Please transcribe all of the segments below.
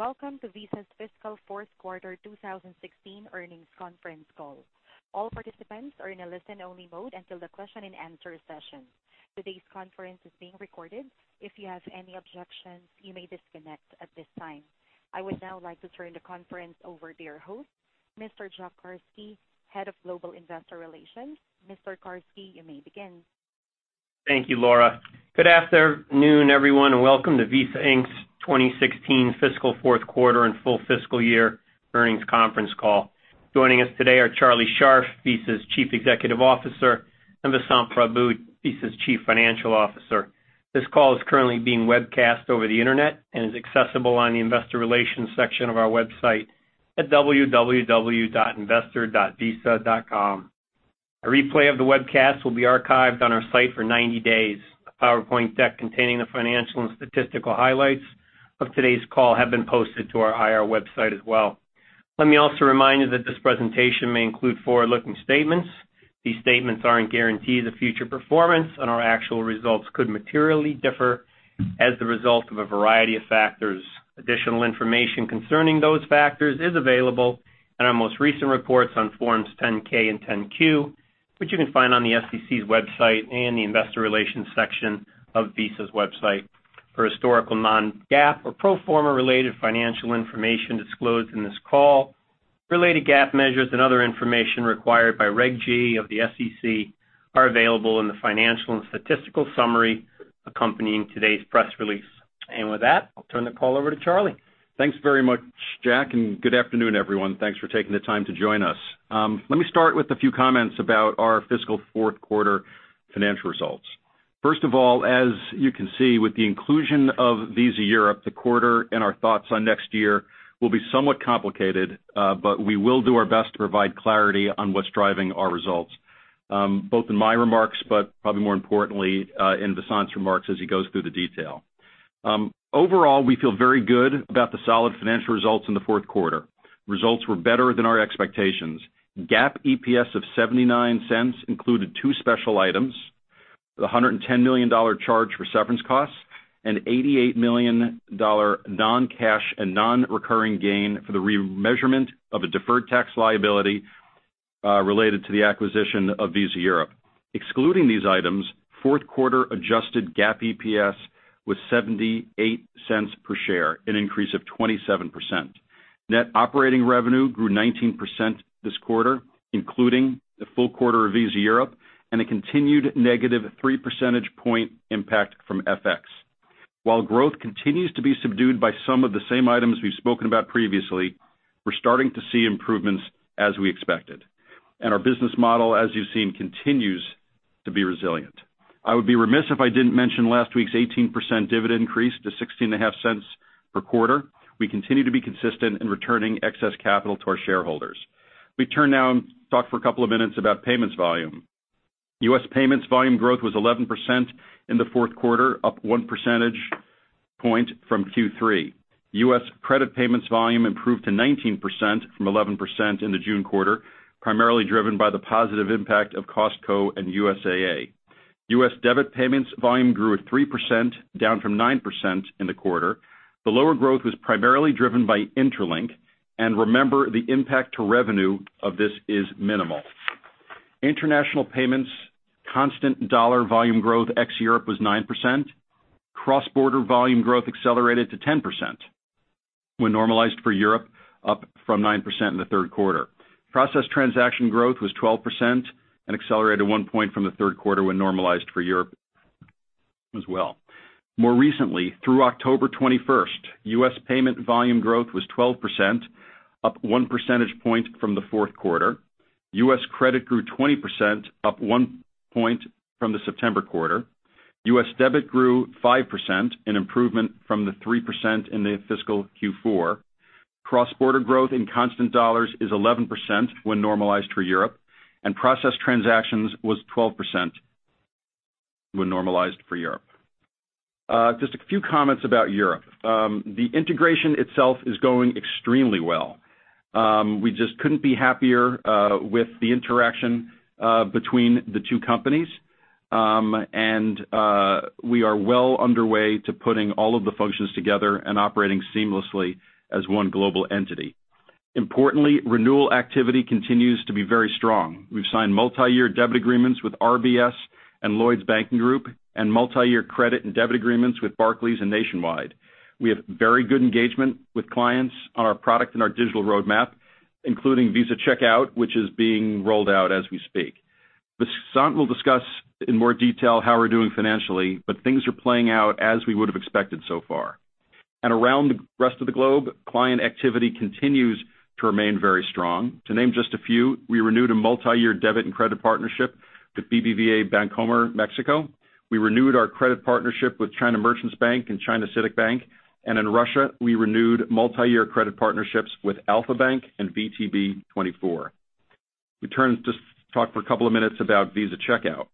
Welcome to Visa's fiscal fourth quarter 2016 earnings conference call. All participants are in a listen-only mode until the question and answer session. Today's conference is being recorded. If you have any objections, you may disconnect at this time. I would now like to turn the conference over to your host, Mr. Jack Carsky, head of global investor relations. Mr. Carsky, you may begin. Thank you, Laura. Good afternoon, everyone, and welcome to Visa Inc.'s 2016 fiscal fourth quarter and full fiscal year earnings conference call. Joining us today are Charlie Scharf, Visa's Chief Executive Officer, and Vasant Prabhu, Visa's Chief Financial Officer. This call is currently being webcast over the internet and is accessible on the investor relations section of our website at www.investor.visa.com. A replay of the webcast will be archived on our site for 90 days. A PowerPoint deck containing the financial and statistical highlights of today's call have been posted to our IR website as well. Let me also remind you that this presentation may include forward-looking statements. These statements aren't guarantees of future performance, and our actual results could materially differ as the result of a variety of factors. Additional information concerning those factors is available in our most recent reports on forms 10-K and 10-Q, which you can find on the SEC's website and the investor relations section of Visa's website. For historical non-GAAP or pro forma related financial information disclosed in this call, related GAAP measures and other information required by Reg G of the SEC are available in the financial and statistical summary accompanying today's press release. With that, I'll turn the call over to Charlie. Thanks very much, Jack. Good afternoon, everyone. Thanks for taking the time to join us. Let me start with a few comments about our fiscal fourth quarter financial results. First of all, as you can see with the inclusion of Visa Europe, the quarter and our thoughts on next year will be somewhat complicated, but we will do our best to provide clarity on what's driving our results, both in my remarks, but probably more importantly in Vasant's remarks as he goes through the detail. Overall, we feel very good about the solid financial results in the fourth quarter. Results were better than our expectations. GAAP EPS of $0.79 included two special items, the $110 million charge for severance costs, and $88 million non-cash and non-recurring gain for the remeasurement of a deferred tax liability related to the acquisition of Visa Europe. Excluding these items, fourth quarter adjusted GAAP EPS was $0.78 per share, an increase of 27%. Net operating revenue grew 19% this quarter, including the full quarter of Visa Europe and a continued negative three percentage point impact from FX. While growth continues to be subdued by some of the same items we've spoken about previously, we're starting to see improvements as we expected, our business model, as you've seen, continues to be resilient. I would be remiss if I didn't mention last week's 18% dividend increase to $0.165 per quarter. We continue to be consistent in returning excess capital to our shareholders. Let me turn now and talk for a couple of minutes about payments volume. U.S. payments volume growth was 11% in the fourth quarter, up one percentage point from Q3. U.S. credit payments volume improved to 19% from 11% in the June quarter, primarily driven by the positive impact of Costco and USAA. U.S. debit payments volume grew at 3%, down from 9% in the quarter. The lower growth was primarily driven by Interlink. Remember the impact to revenue of this is minimal. International payments constant dollar volume growth ex-Europe was 9%. Cross-border volume growth accelerated to 10% when normalized for Europe, up from 9% in the third quarter. Processed transaction growth was 12% and accelerated one point from the third quarter when normalized for Europe as well. More recently, through October 21st, U.S. payment volume growth was 12%, up one percentage point from the fourth quarter. U.S. credit grew 20%, up one point from the September quarter. U.S. debit grew 5%, an improvement from the 3% in the fiscal Q4. Cross-border growth in constant dollars is 11% when normalized for Europe. Processed transactions was 12% when normalized for Europe. Just a few comments about Europe. The integration itself is going extremely well. We just couldn't be happier with the interaction between the two companies, and we are well underway to putting all of the functions together and operating seamlessly as one global entity. Importantly, renewal activity continues to be very strong. We've signed multi-year debit agreements with RBS and Lloyds Banking Group and multi-year credit and debit agreements with Barclays and Nationwide. We have very good engagement with clients on our product and our digital roadmap, including Visa Checkout, which is being rolled out as we speak. Vasant will discuss in more detail how we're doing financially, but things are playing out as we would have expected so far. Around the rest of the globe, client activity continues to remain very strong. To name just a few, we renewed a multi-year debit and credit partnership with BBVA Bancomer Mexico. We renewed our credit partnership with China Merchants Bank and China CITIC Bank. In Russia, we renewed multi-year credit partnerships with Alfa-Bank and VTB 24. We turn to talk for a couple of minutes about Visa Checkout.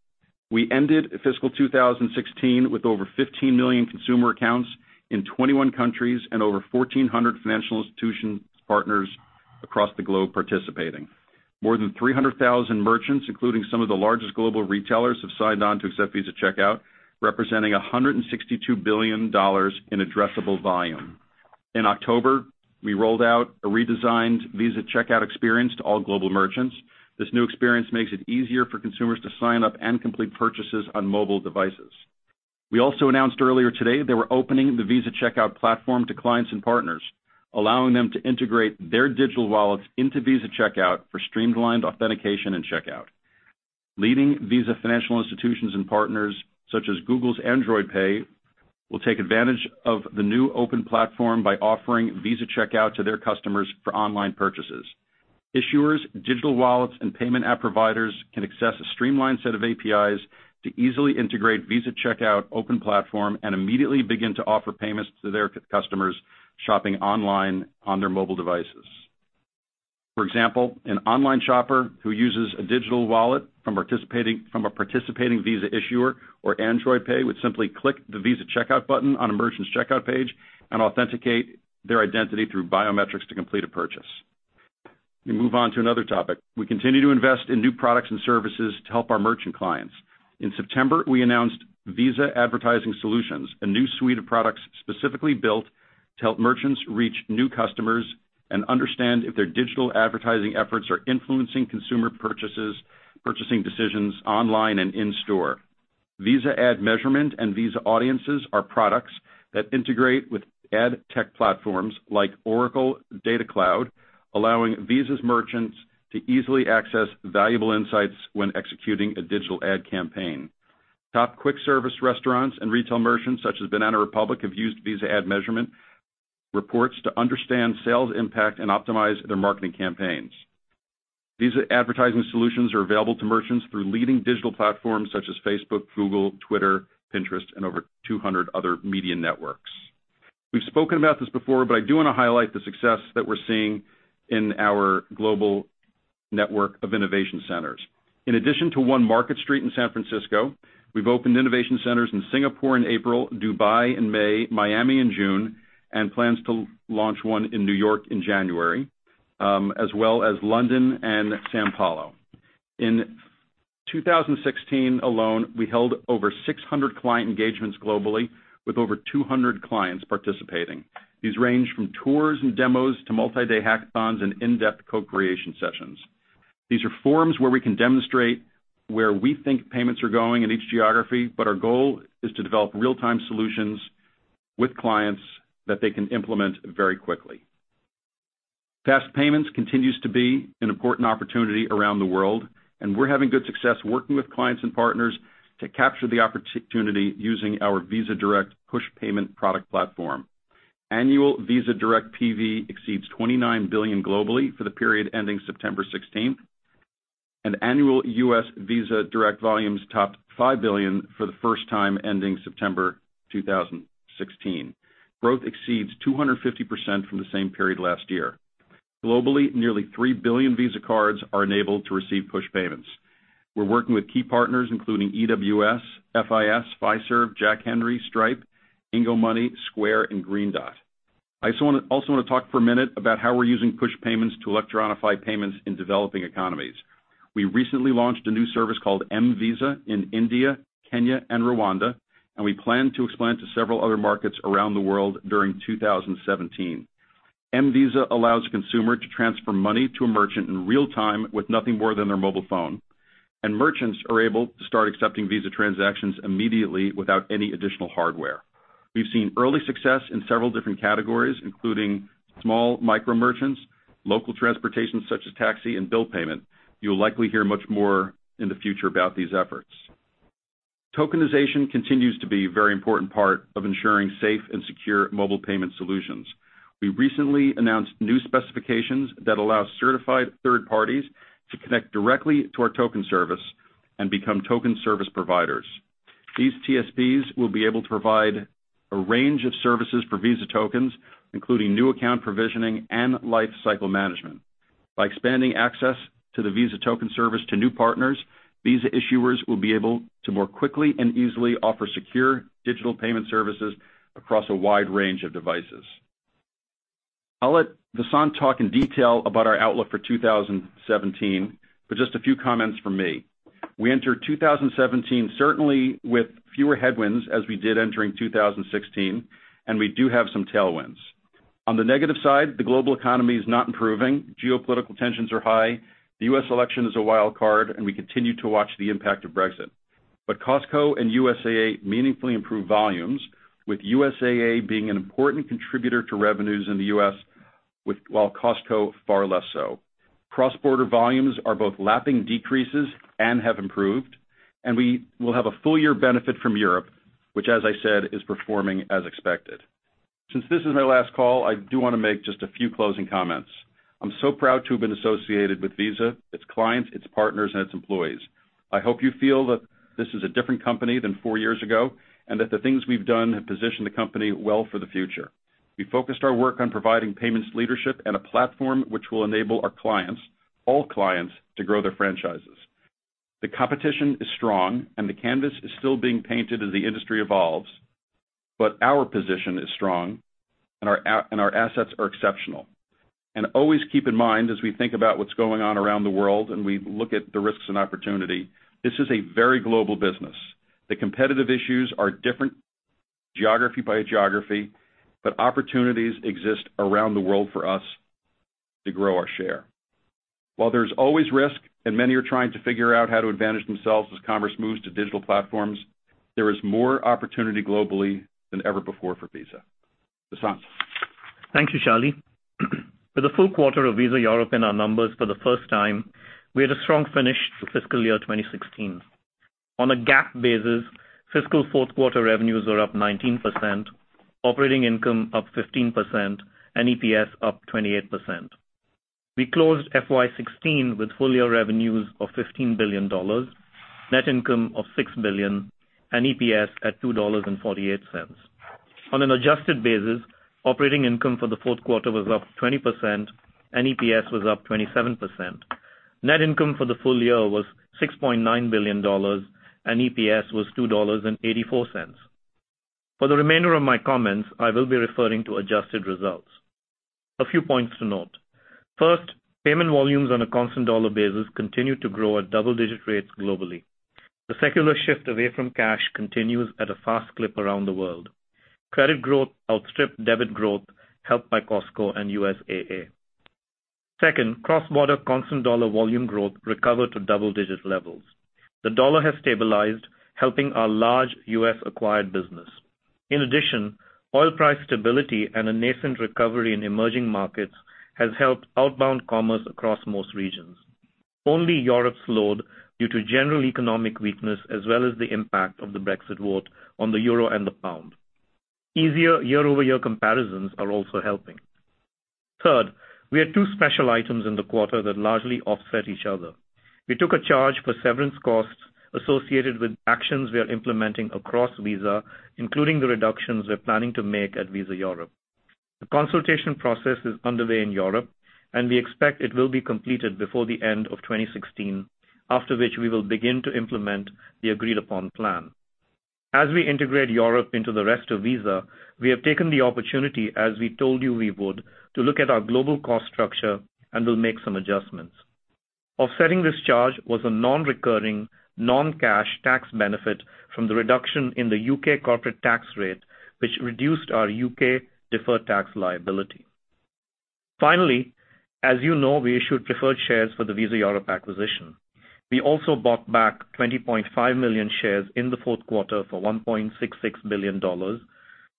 We ended fiscal 2016 with over 15 million consumer accounts in 21 countries and over 1,400 financial institution partners across the globe participating. More than 300,000 merchants, including some of the largest global retailers, have signed on to accept Visa Checkout, representing $162 billion in addressable volume. In October, we rolled out a redesigned Visa Checkout experience to all global merchants. This new experience makes it easier for consumers to sign up and complete purchases on mobile devices. We also announced earlier today that we're opening the Visa Checkout platform to clients and partners, allowing them to integrate their digital wallets into Visa Checkout for streamlined authentication and checkout. Leading Visa financial institutions and partners, such as Google's Android Pay, will take advantage of the new open platform by offering Visa Checkout to their customers for online purchases. Issuers, digital wallets, and payment app providers can access a streamlined set of APIs to easily integrate Visa Checkout open platform and immediately begin to offer payments to their customers shopping online on their mobile devices. For example, an online shopper who uses a digital wallet from a participating Visa issuer or Android Pay would simply click the Visa Checkout button on a merchant's checkout page and authenticate their identity through biometrics to complete a purchase. Let me move on to another topic. We continue to invest in new products and services to help our merchant clients. In September, we announced Visa Advertising Solutions, a new suite of products specifically built to help merchants reach new customers and understand if their digital advertising efforts are influencing consumer purchasing decisions online and in-store. Visa Ad Measurement and Visa Audiences are products that integrate with ad tech platforms like Oracle Data Cloud, allowing Visa's merchants to easily access valuable insights when executing a digital ad campaign. Top quick service restaurants and retail merchants such as Banana Republic have used Visa Ad Measurement reports to understand sales impact and optimize their marketing campaigns. Visa Advertising Solutions are available to merchants through leading digital platforms such as Facebook, Google, Twitter, Pinterest, and over 200 other media networks. We've spoken about this before, I do want to highlight the success that we're seeing in our global network of innovation centers. In addition to One Market Street in San Francisco, we've opened innovation centers in Singapore in April, Dubai in May, Miami in June, and plans to launch one in New York in January, as well as London and São Paulo. In 2016 alone, we held over 600 client engagements globally with over 200 clients participating. These range from tours and demos to multi-day hackathons and in-depth co-creation sessions. These are forums where we can demonstrate where we think payments are going in each geography, our goal is to develop real-time solutions with clients that they can implement very quickly. Fast payments continues to be an important opportunity around the world, we're having good success working with clients and partners to capture the opportunity using our Visa Direct Push Payment product platform. Annual Visa Direct PV exceeds $29 billion globally for the period ending September 16th. Annual U.S. Visa Direct volumes topped $5 billion for the first time, ending September 2016. Growth exceeds 250% from the same period last year. Globally, nearly 3 billion Visa cards are enabled to receive push payments. We're working with key partners including EWS, FIS, Fiserv, Jack Henry, Stripe, Ingo Money, Square, and Green Dot. I also want to talk for a minute about how we're using push payments to electronify payments in developing economies. We recently launched a new service called mVisa in India, Kenya, and Rwanda, we plan to expand to several other markets around the world during 2017. mVisa allows a consumer to transfer money to a merchant in real time with nothing more than their mobile phone. Merchants are able to start accepting Visa transactions immediately without any additional hardware. We've seen early success in several different categories, including small micro merchants, local transportation such as taxi, and bill payment. You'll likely hear much more in the future about these efforts. Tokenization continues to be a very important part of ensuring safe and secure mobile payment solutions. We recently announced new specifications that allow certified third parties to connect directly to our token service and become TSPs. These TSPs will be able to provide a range of services for Visa tokens, including new account provisioning and lifecycle management. By expanding access to the Visa Token Service to new partners, Visa issuers will be able to more quickly and easily offer secure digital payment services across a wide range of devices. I'll let Vasant talk in detail about our outlook for 2017, just a few comments from me. We enter 2017 certainly with fewer headwinds than we did entering 2016, and we do have some tailwinds. On the negative side, the global economy is not improving, geopolitical tensions are high, the U.S. election is a wild card, and we continue to watch the impact of Brexit. Costco and USAA meaningfully improve volumes, with USAA being an important contributor to revenues in the U.S., while Costco far less so. Cross-border volumes are both lapping decreases and have improved, and we will have a full-year benefit from Europe, which, as I said, is performing as expected. Since this is my last call, I do want to make just a few closing comments. I'm so proud to have been associated with Visa, its clients, its partners, and its employees. I hope you feel that this is a different company than four years ago, and that the things we've done have positioned the company well for the future. We focused our work on providing payments leadership and a platform which will enable our clients, all clients, to grow their franchises. The competition is strong and the canvas is still being painted as the industry evolves. Our position is strong and our assets are exceptional. Always keep in mind, as we think about what's going on around the world, and we look at the risks and opportunity, this is a very global business. The competitive issues are different geography by geography, opportunities exist around the world for us to grow our share. While there's always risk, and many are trying to figure out how to advantage themselves as commerce moves to digital platforms, there is more opportunity globally than ever before for Visa. Vasant. Thank you, Charlie. For the full quarter of Visa Europe in our numbers for the first time, we had a strong finish to fiscal year 2016. On a GAAP basis, fiscal fourth quarter revenues were up 19%, operating income up 15%, and EPS up 28%. We closed FY 2016 with full-year revenues of $15 billion, net income of $6 billion, and EPS at $2.48. On an adjusted basis, operating income for the fourth quarter was up 20% and EPS was up 27%. Net income for the full year was $6.9 billion and EPS was $2.84. For the remainder of my comments, I will be referring to adjusted results. A few points to note. First, payment volumes on a constant dollar basis continued to grow at double-digit rates globally. The secular shift away from cash continues at a fast clip around the world. Credit growth outstripped debit growth, helped by Costco and USAA. Second, cross-border constant dollar volume growth recovered to double-digit levels. The dollar has stabilized, helping our large U.S. acquired business. In addition, oil price stability and a nascent recovery in emerging markets has helped outbound commerce across most regions. Only Europe slowed due to general economic weakness as well as the impact of the Brexit vote on the EUR and the GBP. Easier year-over-year comparisons are also helping. Third, we had two special items in the quarter that largely offset each other. We took a charge for severance costs associated with actions we are implementing across Visa, including the reductions we're planning to make at Visa Europe. The consultation process is underway in Europe, and we expect it will be completed before the end of 2016, after which we will begin to implement the agreed-upon plan. As we integrate Europe into the rest of Visa, we have taken the opportunity, as we told you we would, to look at our global cost structure, we'll make some adjustments. Offsetting this charge was a non-recurring, non-cash tax benefit from the reduction in the U.K. corporate tax rate, which reduced our U.K. deferred tax liability. Finally, as you know, we issued preferred shares for the Visa Europe acquisition. We also bought back 20.5 million shares in the fourth quarter for $1.66 billion.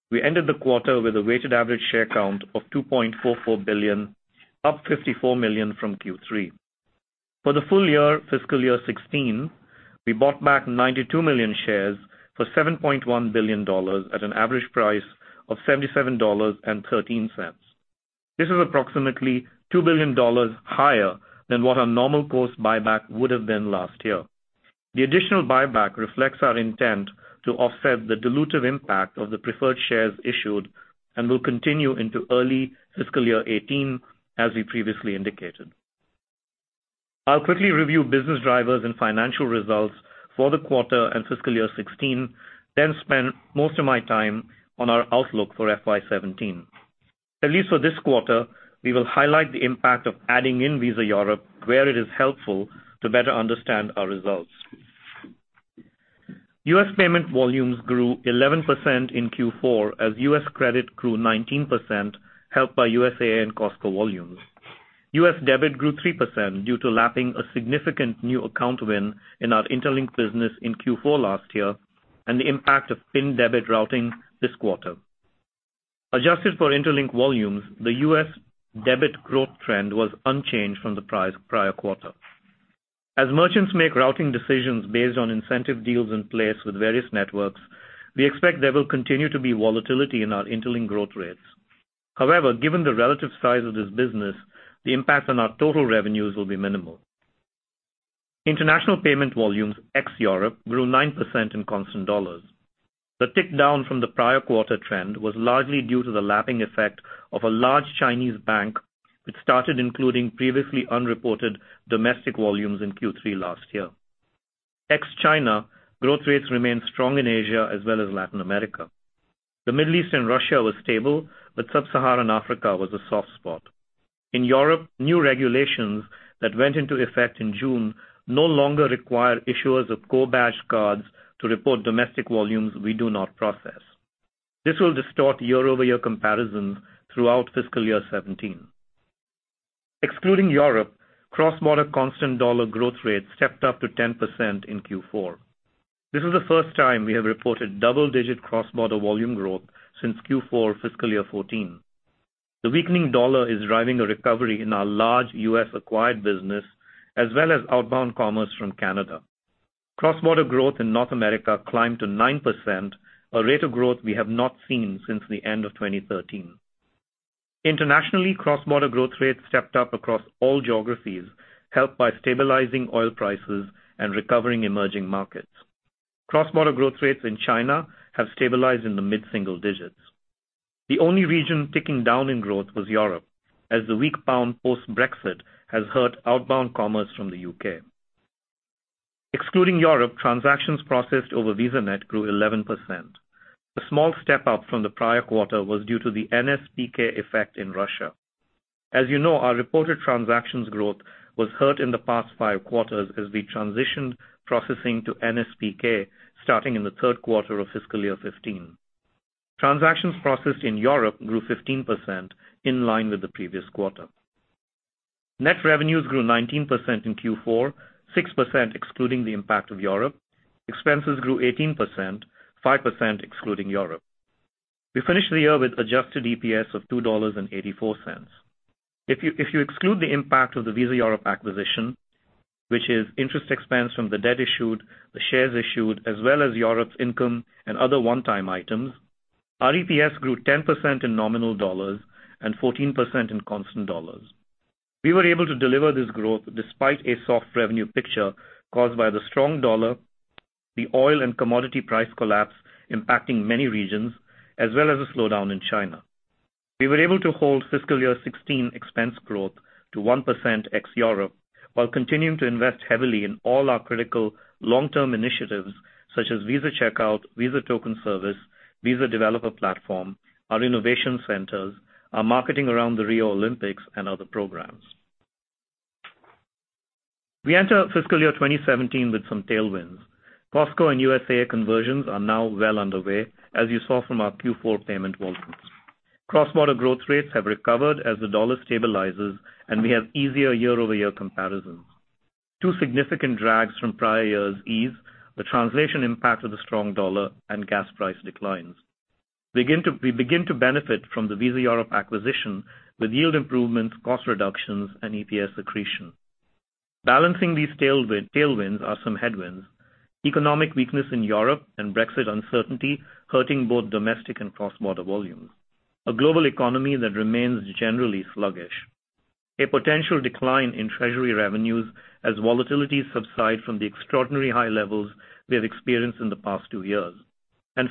We ended the quarter with a weighted average share count of 2.44 billion, up 54 million from Q3. For the full year, fiscal year 2016, we bought back 92 million shares for $7.1 billion at an average price of $77.13. This is approximately $2 billion higher than what our normal course buyback would have been last year. The additional buyback reflects our intent to offset the dilutive impact of the preferred shares issued and will continue into early fiscal year 2018, as we previously indicated. I'll quickly review business drivers and financial results for the quarter and fiscal year 2016, then spend most of my time on our outlook for FY 2017. At least for this quarter, we will highlight the impact of adding in Visa Europe where it is helpful to better understand our results. U.S. payment volumes grew 11% in Q4 as U.S. credit grew 19%, helped by USAA and Costco volumes. U.S. debit grew 3% due to lapping a significant new account win in our Interlink business in Q4 last year, and the impact of PIN debit routing this quarter. Adjusted for Interlink volumes, the U.S. debit growth trend was unchanged from the prior quarter. As merchants make routing decisions based on incentive deals in place with various networks, we expect there will continue to be volatility in our Interlink growth rates. Given the relative size of this business, the impact on our total revenues will be minimal. International payment volumes, ex-Europe, grew 9% in constant dollars. The tick down from the prior quarter trend was largely due to the lapping effect of a large Chinese bank, which started including previously unreported domestic volumes in Q3 last year. Ex-China, growth rates remained strong in Asia as well as Latin America. The Middle East and Russia was stable. Sub-Saharan Africa was a soft spot. In Europe, new regulations that went into effect in June no longer require issuers of co-badged cards to report domestic volumes we do not process. This will distort year-over-year comparisons throughout fiscal year 2017. Excluding Europe, cross-border constant dollar growth rates stepped up to 10% in Q4. This is the first time we have reported double-digit cross-border volume growth since Q4 fiscal year 2014. The weakening dollar is driving a recovery in our large U.S. acquired business as well as outbound commerce from Canada. Cross-border growth in North America climbed to 9%, a rate of growth we have not seen since the end of 2013. Internationally, cross-border growth rates stepped up across all geographies, helped by stabilizing oil prices and recovering emerging markets. Cross-border growth rates in China have stabilized in the mid-single digits. The only region ticking down in growth was Europe. The weak pound post-Brexit has hurt outbound commerce from the U.K. Excluding Europe, transactions processed over VisaNet grew 11%. A small step-up from the prior quarter was due to the NSPK effect in Russia. You know, our reported transactions growth was hurt in the past five quarters as we transitioned processing to NSPK, starting in the third quarter of fiscal year 2015. Transactions processed in Europe grew 15%, in line with the previous quarter. Net revenues grew 19% in Q4, 6% excluding the impact of Europe. Expenses grew 18%, 5% excluding Europe. We finished the year with adjusted EPS of $2.84. If you exclude the impact of the Visa Europe acquisition, which is interest expense from the debt issued, the shares issued, as well as Europe's income and other one-time items, our EPS grew 10% in nominal dollars and 14% in constant dollars. We were able to deliver this growth despite a soft revenue picture caused by the strong dollar, the oil and commodity price collapse impacting many regions, as well as a slowdown in China. We were able to hold fiscal year 2016 expense growth to 1% ex-Europe, while continuing to invest heavily in all our critical long-term initiatives such as Visa Checkout, Visa Token Service, Visa Developer Platform, our Visa Innovation Centers, our marketing around the Rio Olympics, and other programs. We enter fiscal year 2017 with some tailwinds. Costco and USAA conversions are now well underway, as you saw from our Q4 payment volumes. Cross-border growth rates have recovered as the dollar stabilizes, and we have easier year-over-year comparisons. Two significant drags from prior years ease, the translation impact of the strong dollar, and gas price declines. We begin to benefit from the Visa Europe acquisition with yield improvements, cost reductions, and EPS accretion. Balancing these tailwinds are some headwinds. Economic weakness in Europe and Brexit uncertainty hurting both domestic and cross-border volumes. A global economy that remains generally sluggish. A potential decline in treasury revenues as volatilities subside from the extraordinary high levels we have experienced in the past two years.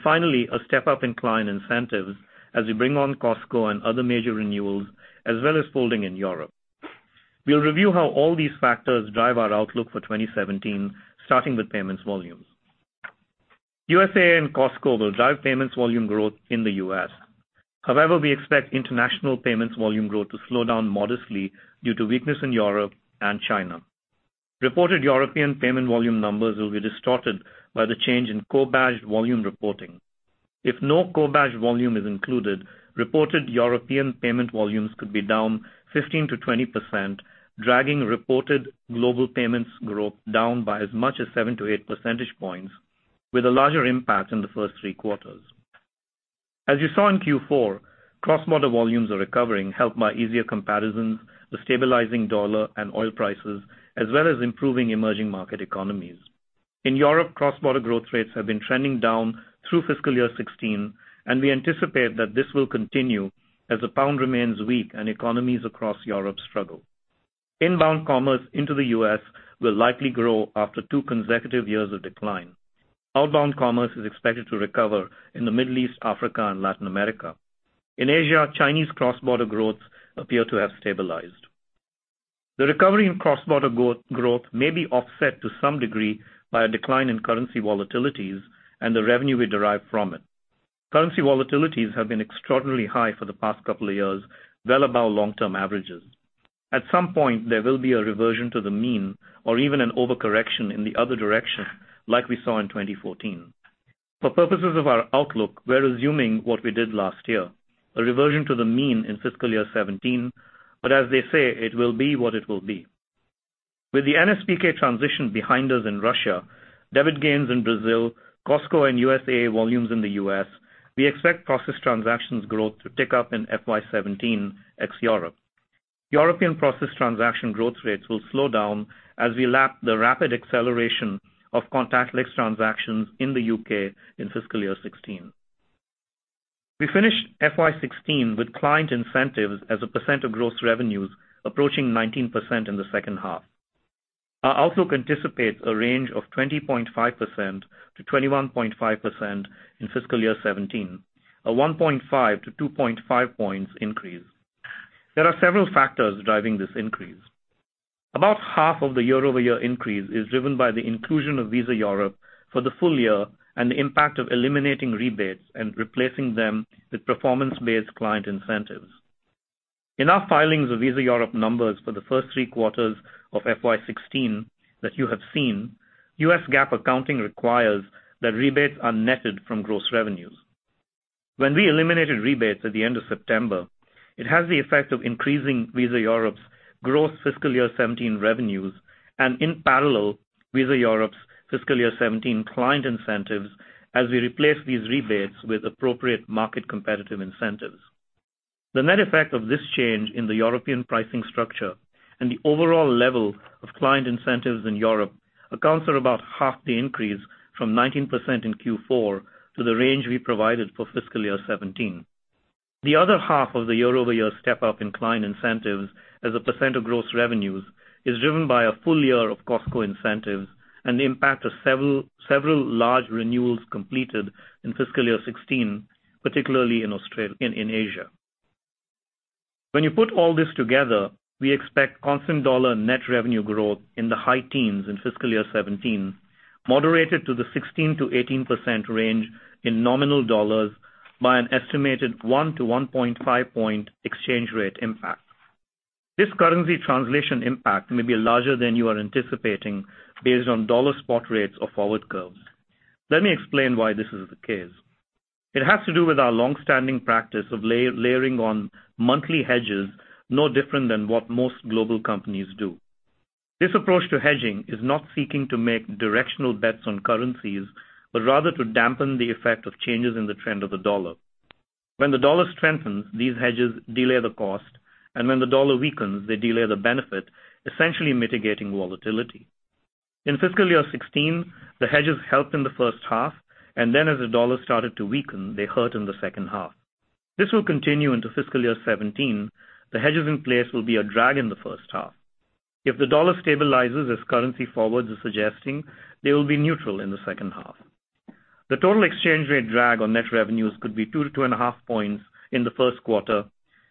Finally, a step-up in client incentives as we bring on Costco and other major renewals, as well as folding in Europe. We'll review how all these factors drive our outlook for 2017, starting with payments volumes. USAA and Costco will drive payments volume growth in the U.S. However, we expect international payments volume growth to slow down modestly due to weakness in Europe and China. Reported European payment volume numbers will be distorted by the change in co-badged volume reporting. If no co-badged volume is included, reported European payment volumes could be down 15%-20%, dragging reported global payments growth down by as much as seven to eight percentage points, with a larger impact in the first three quarters. As you saw in Q4, cross-border volumes are recovering, helped by easier comparisons, the stabilizing dollar and oil prices, as well as improving emerging market economies. In Europe, cross-border growth rates have been trending down through fiscal year 2016, we anticipate that this will continue as the pound remains weak and economies across Europe struggle. Inbound commerce into the U.S. will likely grow after two consecutive years of decline. Outbound commerce is expected to recover in the Middle East, Africa, and Latin America. In Asia, Chinese cross-border growth appear to have stabilized. The recovery in cross-border growth may be offset to some degree by a decline in currency volatilities and the revenue we derive from it. Currency volatilities have been extraordinarily high for the past couple of years, well above long-term averages. At some point, there will be a reversion to the mean or even an overcorrection in the other direction, like we saw in 2014. For purposes of our outlook, we're assuming what we did last year, a reversion to the mean in fiscal year 2017, as they say, it will be what it will be. With the NSPK transition behind us in Russia, debit gains in Brazil, Costco and USAA volumes in the U.S., we expect processed transactions growth to tick up in FY 2017, ex-Europe. European processed transaction growth rates will slow down as we lap the rapid acceleration of contactless transactions in the U.K. in fiscal year 2016. We finished FY 2016 with client incentives as a percent of gross revenues approaching 19% in the second half. Our outlook anticipates a range of 20.5%-21.5% in fiscal year 2017, a 1.5 to 2.5 points increase. There are several factors driving this increase. About half of the year-over-year increase is driven by the inclusion of Visa Europe for the full year and the impact of eliminating rebates and replacing them with performance-based client incentives. In our filings of Visa Europe numbers for the first three quarters of FY 2016 that you have seen, U.S. GAAP accounting requires that rebates are netted from gross revenues. When we eliminated rebates at the end of September, it has the effect of increasing Visa Europe's gross fiscal year 2017 revenues and, in parallel, Visa Europe's fiscal year 2017 client incentives as we replace these rebates with appropriate market competitive incentives. The net effect of this change in the European pricing structure and the overall level of client incentives in Europe accounts for about half the increase from 19% in Q4 to the range we provided for fiscal year 2017. The other half of the year-over-year step-up in client incentives as a percent of gross revenues is driven by a full year of Costco incentives and the impact of several large renewals completed in fiscal year 2016, particularly in Asia. When you put all this together, we expect constant dollar net revenue growth in the high teens in fiscal year 2017, moderated to the 16%-18% range in nominal dollars by an estimated one to 1.5 point exchange rate impact. This currency translation impact may be larger than you are anticipating based on dollar spot rates or forward curves. Let me explain why this is the case. It has to do with our long-standing practice of layering on monthly hedges, no different than what most global companies do. This approach to hedging is not seeking to make directional bets on currencies, rather to dampen the effect of changes in the trend of the dollar. When the dollar strengthens, these hedges delay the cost, and when the dollar weakens, they delay the benefit, essentially mitigating volatility. In fiscal year 2016, the hedges helped in the first half, and then as the dollar started to weaken, they hurt in the second half. This will continue into fiscal year 2017. The hedges in place will be a drag in the first half. If the dollar stabilizes, as currency forwards is suggesting, they will be neutral in the second half. The total exchange rate drag on net revenues could be two to two and a half points in the first quarter,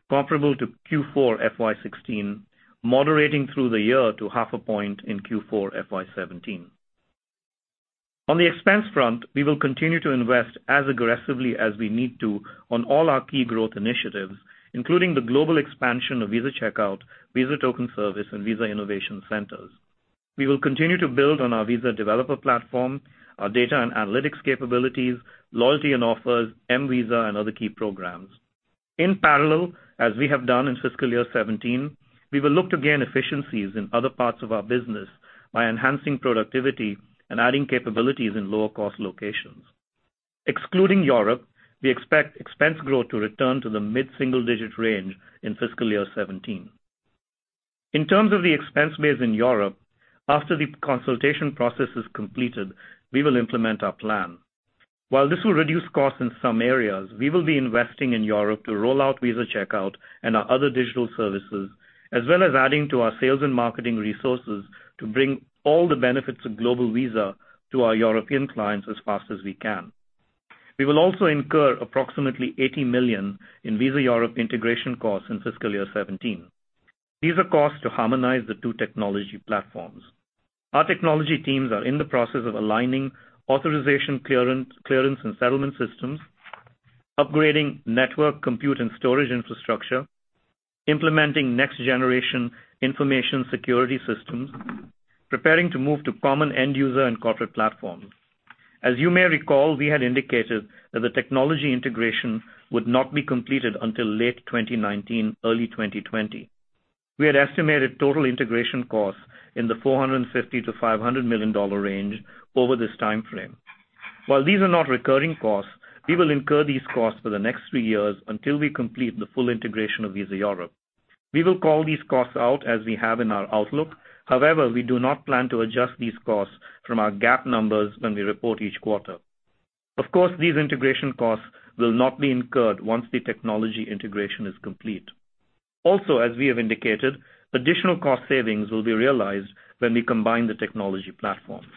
comparable to Q4 FY 2016, moderating through the year to half a point in Q4 FY 2017. On the expense front, we will continue to invest as aggressively as we need to on all our key growth initiatives, including the global expansion of Visa Checkout, Visa Token Service, and Visa Innovation Centers. We will continue to build on our Visa Developer Platform, our data and analytics capabilities, loyalty and offers, mVisa, and other key programs. In parallel, as we have done in fiscal year 2017, we will look to gain efficiencies in other parts of our business by enhancing productivity and adding capabilities in lower-cost locations. Excluding Europe, we expect expense growth to return to the mid-single-digit range in fiscal year 2017. In terms of the expense base in Europe, after the consultation process is completed, we will implement our plan. While this will reduce costs in some areas, we will be investing in Europe to roll out Visa Checkout and our other digital services, as well as adding to our sales and marketing resources to bring all the benefits of global Visa to our European clients as fast as we can. We will also incur approximately $80 million in Visa Europe integration costs in fiscal year 2017. These are costs to harmonize the two technology platforms. Our technology teams are in the process of aligning authorization clearance and settlement systems, upgrading network compute and storage infrastructure, implementing next-generation information security systems, preparing to move to common end-user and corporate platforms. As you may recall, we had indicated that the technology integration would not be completed until late 2019, early 2020. We had estimated total integration costs in the $450 million-$500 million range over this timeframe. While these are not recurring costs, we will incur these costs for the next three years until we complete the full integration of Visa Europe. We will call these costs out as we have in our outlook. However, we do not plan to adjust these costs from our GAAP numbers when we report each quarter. Of course, these integration costs will not be incurred once the technology integration is complete. Also, as we have indicated, additional cost savings will be realized when we combine the technology platforms.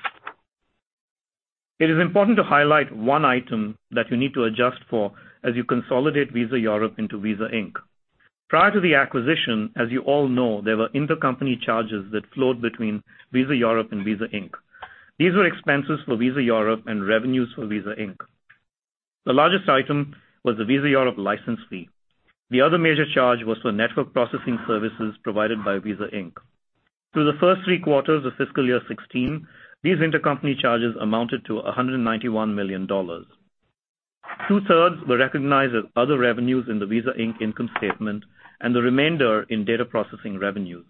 It is important to highlight one item that you need to adjust for as you consolidate Visa Europe into Visa Inc. Prior to the acquisition, as you all know, there were intercompany charges that flowed between Visa Europe and Visa Inc. These were expenses for Visa Europe and revenues for Visa Inc. The largest item was the Visa Europe license fee. The other major charge was for network processing services provided by Visa Inc. Through the first three quarters of fiscal year 2016, these intercompany charges amounted to $191 million. Two-thirds were recognized as other revenues in the Visa Inc. income statement and the remainder in data processing revenues.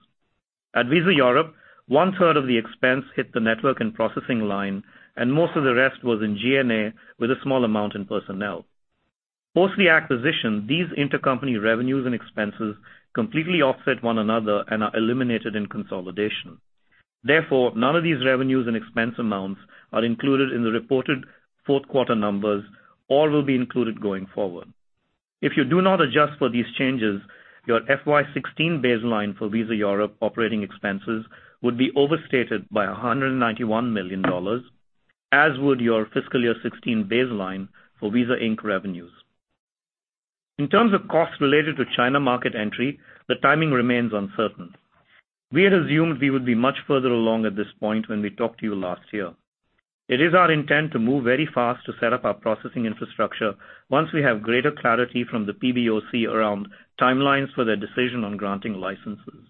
At Visa Europe, one-third of the expense hit the network and processing line, and most of the rest was in G&A with a small amount in personnel. Post the acquisition, these intercompany revenues and expenses completely offset one another and are eliminated in consolidation. Therefore, none of these revenues and expense amounts are included in the reported fourth quarter numbers or will be included going forward. If you do not adjust for these changes, your FY 2016 baseline for Visa Europe operating expenses would be overstated by $191 million, as would your fiscal year 2016 baseline for Visa Inc. revenues. In terms of costs related to China market entry, the timing remains uncertain. We had assumed we would be much further along at this point when we talked to you last year. It is our intent to move very fast to set up our processing infrastructure, once we have greater clarity from the PBOC around timelines for their decision on granting licenses.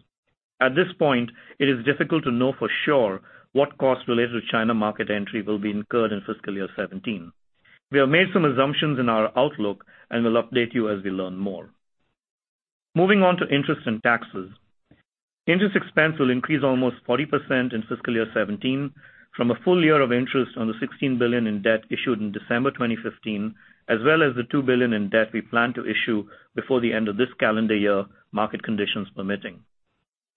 At this point, it is difficult to know for sure what costs related to China market entry will be incurred in fiscal year 2017. We have made some assumptions in our outlook and will update you as we learn more. Moving on to interest and taxes. Interest expense will increase almost 40% in fiscal year 2017 from a full year of interest on the $16 billion in debt issued in December 2015, as well as the $2 billion in debt we plan to issue before the end of this calendar year, market conditions permitting.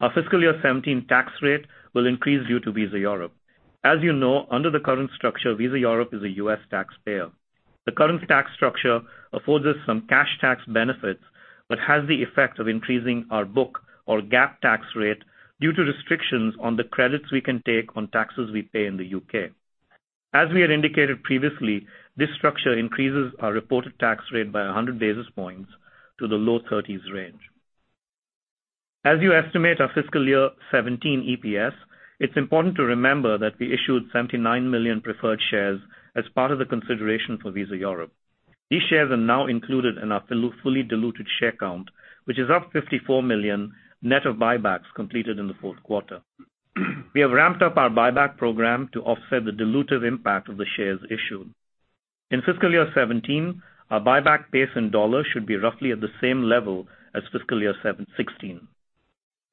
Our fiscal year 2017 tax rate will increase due to Visa Europe. As you know, under the current structure, Visa Europe is a U.S. taxpayer. The current tax structure affords us some cash tax benefits but has the effect of increasing our book or GAAP tax rate due to restrictions on the credits we can take on taxes we pay in the U.K. As we had indicated previously, this structure increases our reported tax rate by 100 basis points to the low thirties range. As you estimate our fiscal year 2017 EPS, it's important to remember that we issued 79 million preferred shares as part of the consideration for Visa Europe. These shares are now included in our fully diluted share count, which is up 54 million net of buybacks completed in the fourth quarter. We have ramped up our buyback program to offset the dilutive impact of the shares issued. In fiscal year 2017, our buyback base in dollars should be roughly at the same level as fiscal year 2016.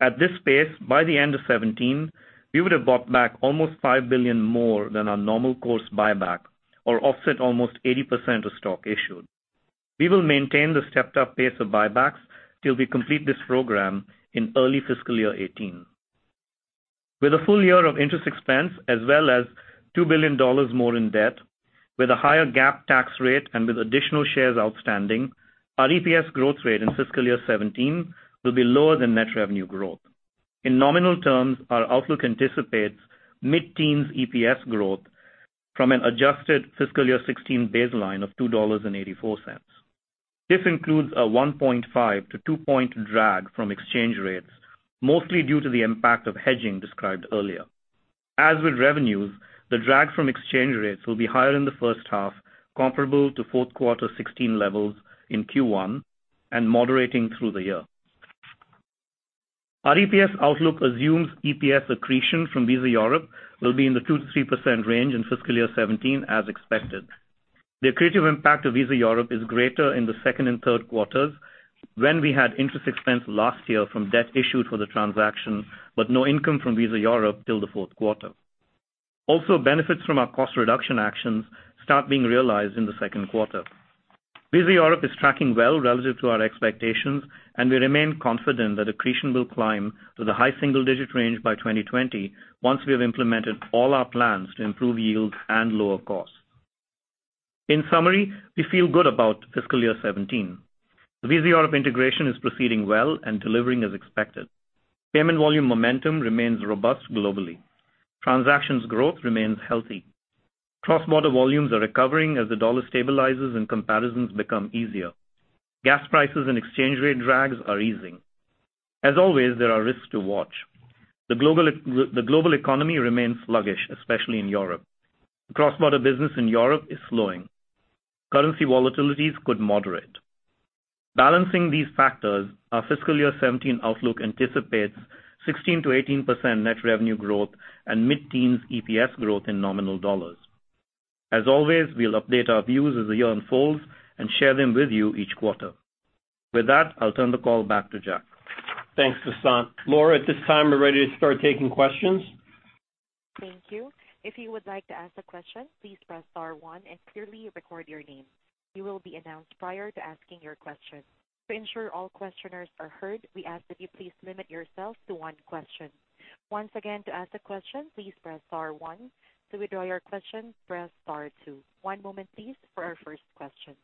At this pace, by the end of 2017, we would have bought back almost $5 billion more than our normal course buyback or offset almost 80% of stock issued. We will maintain the stepped-up pace of buybacks till we complete this program in early fiscal year 2018. With a full year of interest expense as well as $2 billion more in debt, with a higher GAAP tax rate, and with additional shares outstanding, our EPS growth rate in fiscal year 2017 will be lower than net revenue growth. In nominal terms, our outlook anticipates mid-teens EPS growth from an adjusted fiscal year 2016 baseline of $2.84. This includes a 1.5-2 point drag from exchange rates, mostly due to the impact of hedging described earlier. As with revenues, the drag from exchange rates will be higher in the first half, comparable to fourth quarter 2016 levels in Q1 and moderating through the year. Our EPS outlook assumes EPS accretion from Visa Europe will be in the 2%-3% range in fiscal year 2017 as expected. The accretive impact of Visa Europe is greater in the second and third quarters, when we had interest expense last year from debt issued for the transaction, but no income from Visa Europe till the fourth quarter. Also, benefits from our cost reduction actions start being realized in the second quarter. Visa Europe is tracking well relative to our expectations, and we remain confident that accretion will climb to the high single-digit range by 2020 once we have implemented all our plans to improve yields and lower costs. In summary, we feel good about fiscal year 2017. Visa Europe integration is proceeding well and delivering as expected. Payment volume momentum remains robust globally. Transactions growth remains healthy. Cross-border volumes are recovering as the dollar stabilizes and comparisons become easier. Gas prices and exchange rate drags are easing. As always, there are risks to watch. The global economy remains sluggish, especially in Europe. Cross-border business in Europe is slowing. Currency volatilities could moderate. Balancing these factors, our fiscal year 2017 outlook anticipates 16%-18% net revenue growth and mid-teens EPS growth in nominal dollars. As always, we'll update our views as the year unfolds and share them with you each quarter. With that, I'll turn the call back to Jack. Thanks, Vasant. Laura, at this time, we're ready to start taking questions. Thank you. If you would like to ask a question, please press star one and clearly record your name. You will be announced prior to asking your question. To ensure all questioners are heard, we ask that you please limit yourself to one question. Once again, to ask a question, please press star one. To withdraw your question, press star two. One moment, please, for our first question.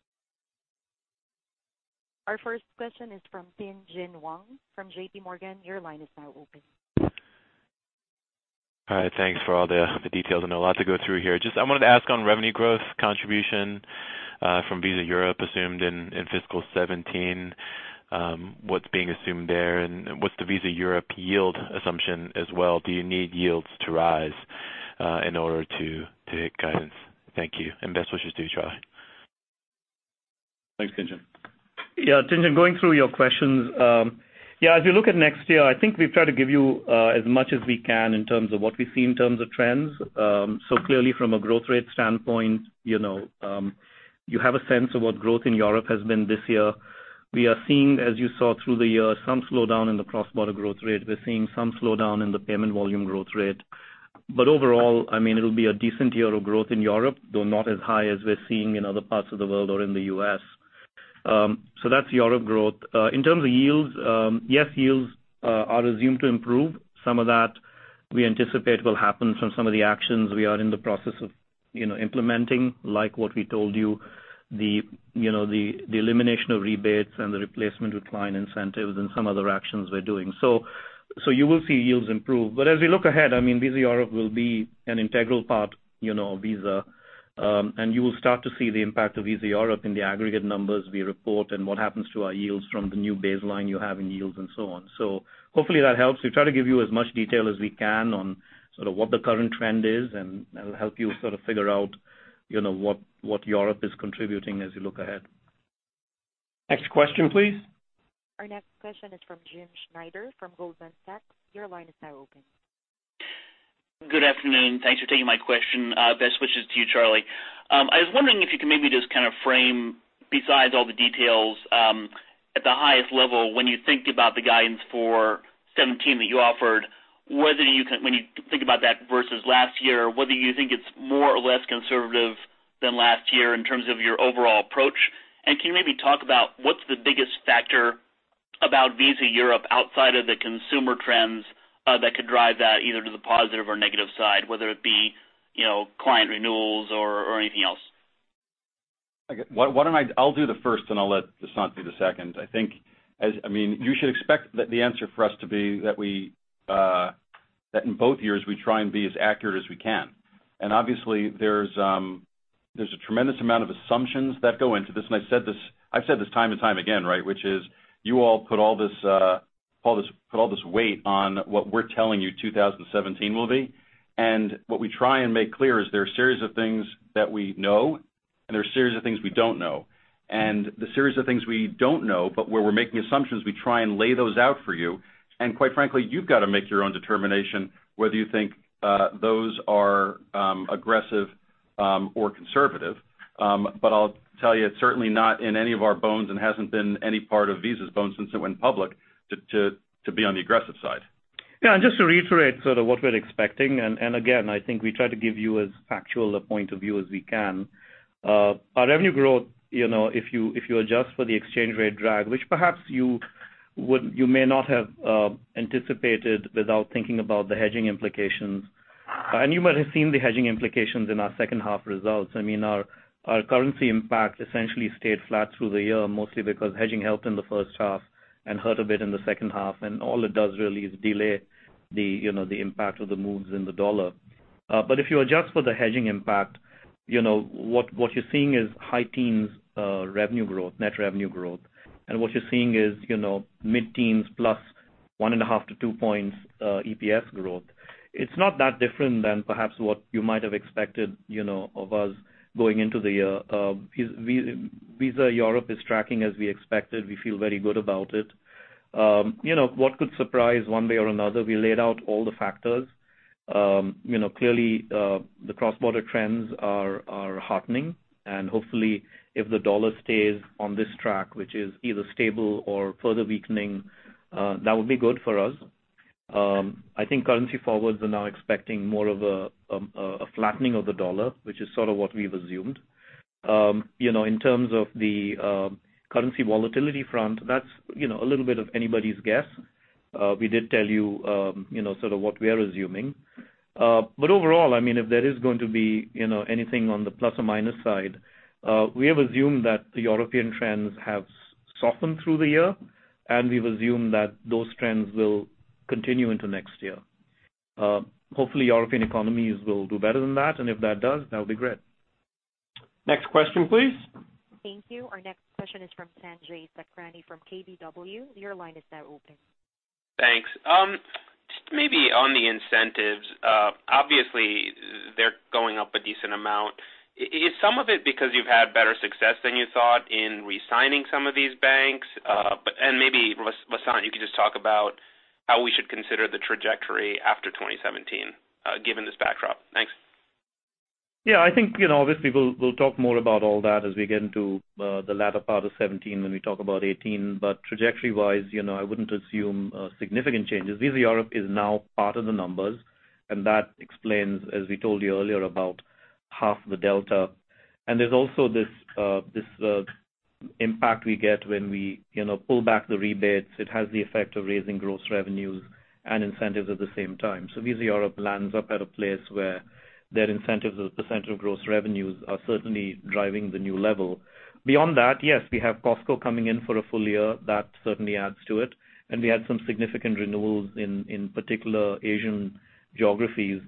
Our first question is from Tien-Tsin Huang from J.P. Morgan. Your line is now open. Hi. Thanks for all the details. I know a lot to go through here. Just I wanted to ask on revenue growth contribution from Visa Europe assumed in fiscal 2017, what's being assumed there, and what's the Visa Europe yield assumption as well? Do you need yields to rise in order to hit guidance? Thank you, and best wishes to you, Charlie. Thanks, Tien-Tsin. Yeah, Tien-Tsin, going through your questions. Yeah, as you look at next year, I think we've tried to give you as much as we can in terms of what we see in terms of trends. Clearly from a growth rate standpoint, you have a sense of what growth in Europe has been this year. We are seeing, as you saw through the year, some slowdown in the cross-border growth rate. We're seeing some slowdown in the payment volume growth rate. Overall, it'll be a decent year of growth in Europe, though not as high as we're seeing in other parts of the world or in the U.S. That's Europe growth. In terms of yields, yes, yields are assumed to improve. Some of that we anticipate will happen from some of the actions we are in the process of implementing, like what we told you, the elimination of rebates and the replacement with client incentives and some other actions we're doing. You will see yields improve. As we look ahead, Visa Europe will be an integral part of Visa. You will start to see the impact of Visa Europe in the aggregate numbers we report and what happens to our yields from the new baseline you have in yields and so on. Hopefully that helps. We try to give you as much detail as we can on sort of what the current trend is, and that'll help you sort of figure out what Europe is contributing as you look ahead. Next question, please. Our next question is from Jim Schneider from Goldman Sachs. Your line is now open. Good afternoon. Thanks for taking my question. Best wishes to you, Charlie. I was wondering if you could maybe just kind of frame, besides all the details, at the highest level, when you think about the guidance for 2017 that you offered, when you think about that versus last year, whether you think it's more or less conservative than last year in terms of your overall approach. Can you maybe talk about what's the biggest factor about Visa Europe outside of the consumer trends that could drive that either to the positive or negative side, whether it be client renewals or anything else? Okay. I'll do the first and I'll let Vasant do the second. You should expect the answer for us to be that in both years, we try and be as accurate as we can. Obviously, there's a tremendous amount of assumptions that go into this, and I've said this time and time again, which is you all put all this weight on what we're telling you 2017 will be. What we try and make clear is there are a series of things that we know, and there are a series of things we don't know. The series of things we don't know, but where we're making assumptions, we try and lay those out for you. Quite frankly, you've got to make your own determination whether you think those are aggressive or conservative. I'll tell you, it's certainly not in any of our bones and hasn't been any part of Visa's bones since it went public, to be on the aggressive side. Yeah, just to reiterate sort of what we're expecting, and again, I think we try to give you as factual a point of view as we can. Our revenue growth, if you adjust for the exchange rate drag, which perhaps you may not have anticipated without thinking about the hedging implications. You might have seen the hedging implications in our second half results. Our currency impact essentially stayed flat through the year, mostly because hedging helped in the first half and hurt a bit in the second half. All it does really is delay the impact of the moves in the dollar. If you adjust for the hedging impact, what you're seeing is high teens net revenue growth. What you're seeing is mid-teens plus one and a half to two points EPS growth. It's not that different than perhaps what you might have expected of us going into the year. Visa Europe is tracking as we expected. We feel very good about it. What could surprise one way or another, we laid out all the factors. Clearly, the cross-border trends are heartening. Hopefully, if the dollar stays on this track, which is either stable or further weakening, that would be good for us. I think currency forwards are now expecting more of a flattening of the dollar, which is sort of what we've assumed. In terms of the currency volatility front, that's a little bit of anybody's guess. We did tell you sort of what we are assuming. Overall, if there is going to be anything on the plus or minus side, we have assumed that the European trends have softened through the year, and we've assumed that those trends will continue into next year. Hopefully, European economies will do better than that. If that does, that'll be great. Next question, please. Thank you. Our next question is from Sanjay Sakhrani from KBW. Your line is now open. Thanks. Just maybe on the incentives. Obviously, they're going up a decent amount. Is some of it because you've had better success than you thought in re-signing some of these banks? Maybe Vasant, you could just talk about how we should consider the trajectory after 2017 given this backdrop. Thanks. Yeah, I think, obviously, we'll talk more about all that as we get into the latter part of 2017 when we talk about 2018. Trajectory-wise, I wouldn't assume significant changes. Visa Europe is now part of the numbers, that explains, as we told you earlier, about half the delta. There's also this impact we get when we pull back the rebates. It has the effect of raising gross revenues and incentives at the same time. Visa Europe lands up at a place where their incentives as a % of gross revenues are certainly driving the new level. Beyond that, yes, we have Costco coming in for a full year. That certainly adds to it. We had some significant renewals, in particular Asian geographies.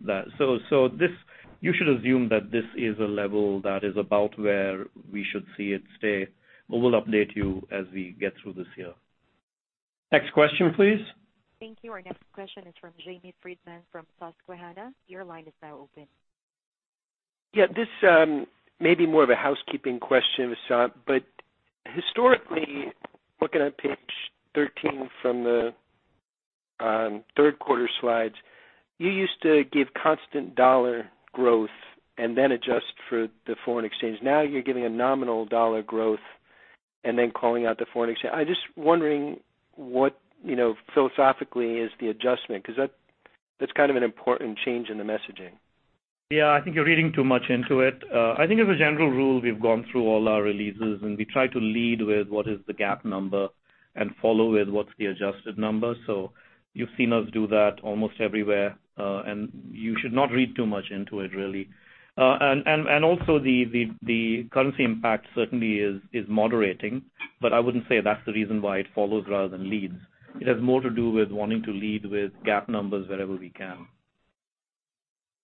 You should assume that this is a level that is about where we should see it stay. We'll update you as we get through this year. Next question, please. Thank you. Our next question is from Jamie Friedman from Susquehanna. Your line is now open. Yeah. This may be more of a housekeeping question, Vasant. Historically, looking at page 13 from the third quarter slides, you used to give constant dollar growth and then adjust for the foreign exchange. Now you're giving a nominal dollar growth and then calling out the foreign exchange. I'm just wondering what philosophically is the adjustment, because that's kind of an important change in the messaging. Yeah. I think you're reading too much into it. I think as a general rule, we've gone through all our releases, and we try to lead with what is the GAAP number and follow with what's the adjusted number. You've seen us do that almost everywhere, and you should not read too much into it, really. Also, the currency impact certainly is moderating, but I wouldn't say that's the reason why it follows rather than leads. It has more to do with wanting to lead with GAAP numbers wherever we can.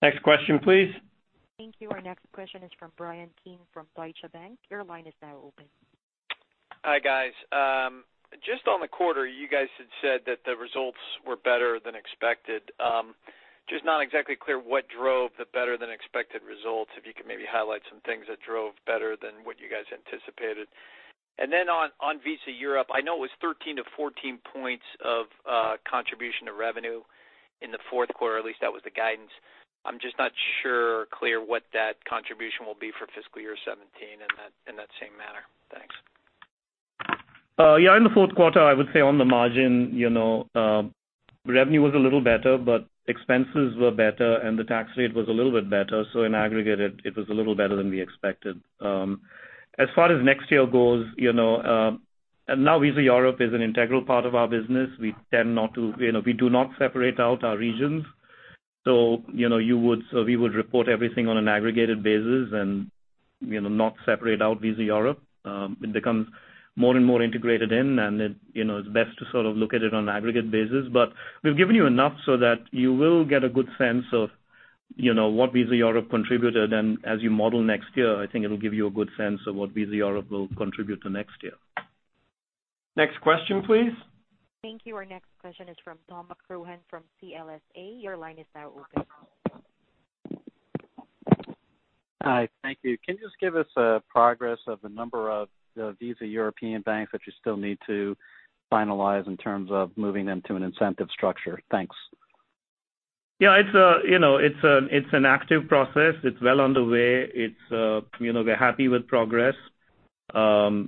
Next question, please. Thank you. Our next question is from Bryan Keane from Deutsche Bank. Your line is now open. Hi, guys. Just on the quarter, you guys had said that the results were better than expected. Just not exactly clear what drove the better-than-expected results. If you could maybe highlight some things that drove better than what you guys anticipated. On Visa Europe, I know it was 13-14 points of contribution to revenue in the fourth quarter, at least that was the guidance. I'm just not sure or clear what that contribution will be for fiscal year 2017 in that same manner. Thanks. Yeah, in the fourth quarter, I would say on the margin, revenue was a little better. Expenses were better, and the tax rate was a little bit better. In aggregate, it was a little better than we expected. As far as next year goes, now Visa Europe is an integral part of our business. We do not separate out our regions. We would report everything on an aggregated basis and not separate out Visa Europe. It becomes more and more integrated in, and it's best to sort of look at it on an aggregate basis. We've given you enough so that you will get a good sense of what Visa Europe contributed. As you model next year, I think it'll give you a good sense of what Visa Europe will contribute to next year. Next question, please. Thank you. Our next question is from Tom McCrohan from CLSA. Your line is now open. Hi, thank you. Can you just give us a progress of the number of the Visa Europe banks that you still need to finalize in terms of moving them to an incentive structure? Thanks. Yeah, it's an active process. It's well on the way. We're happy with progress. There's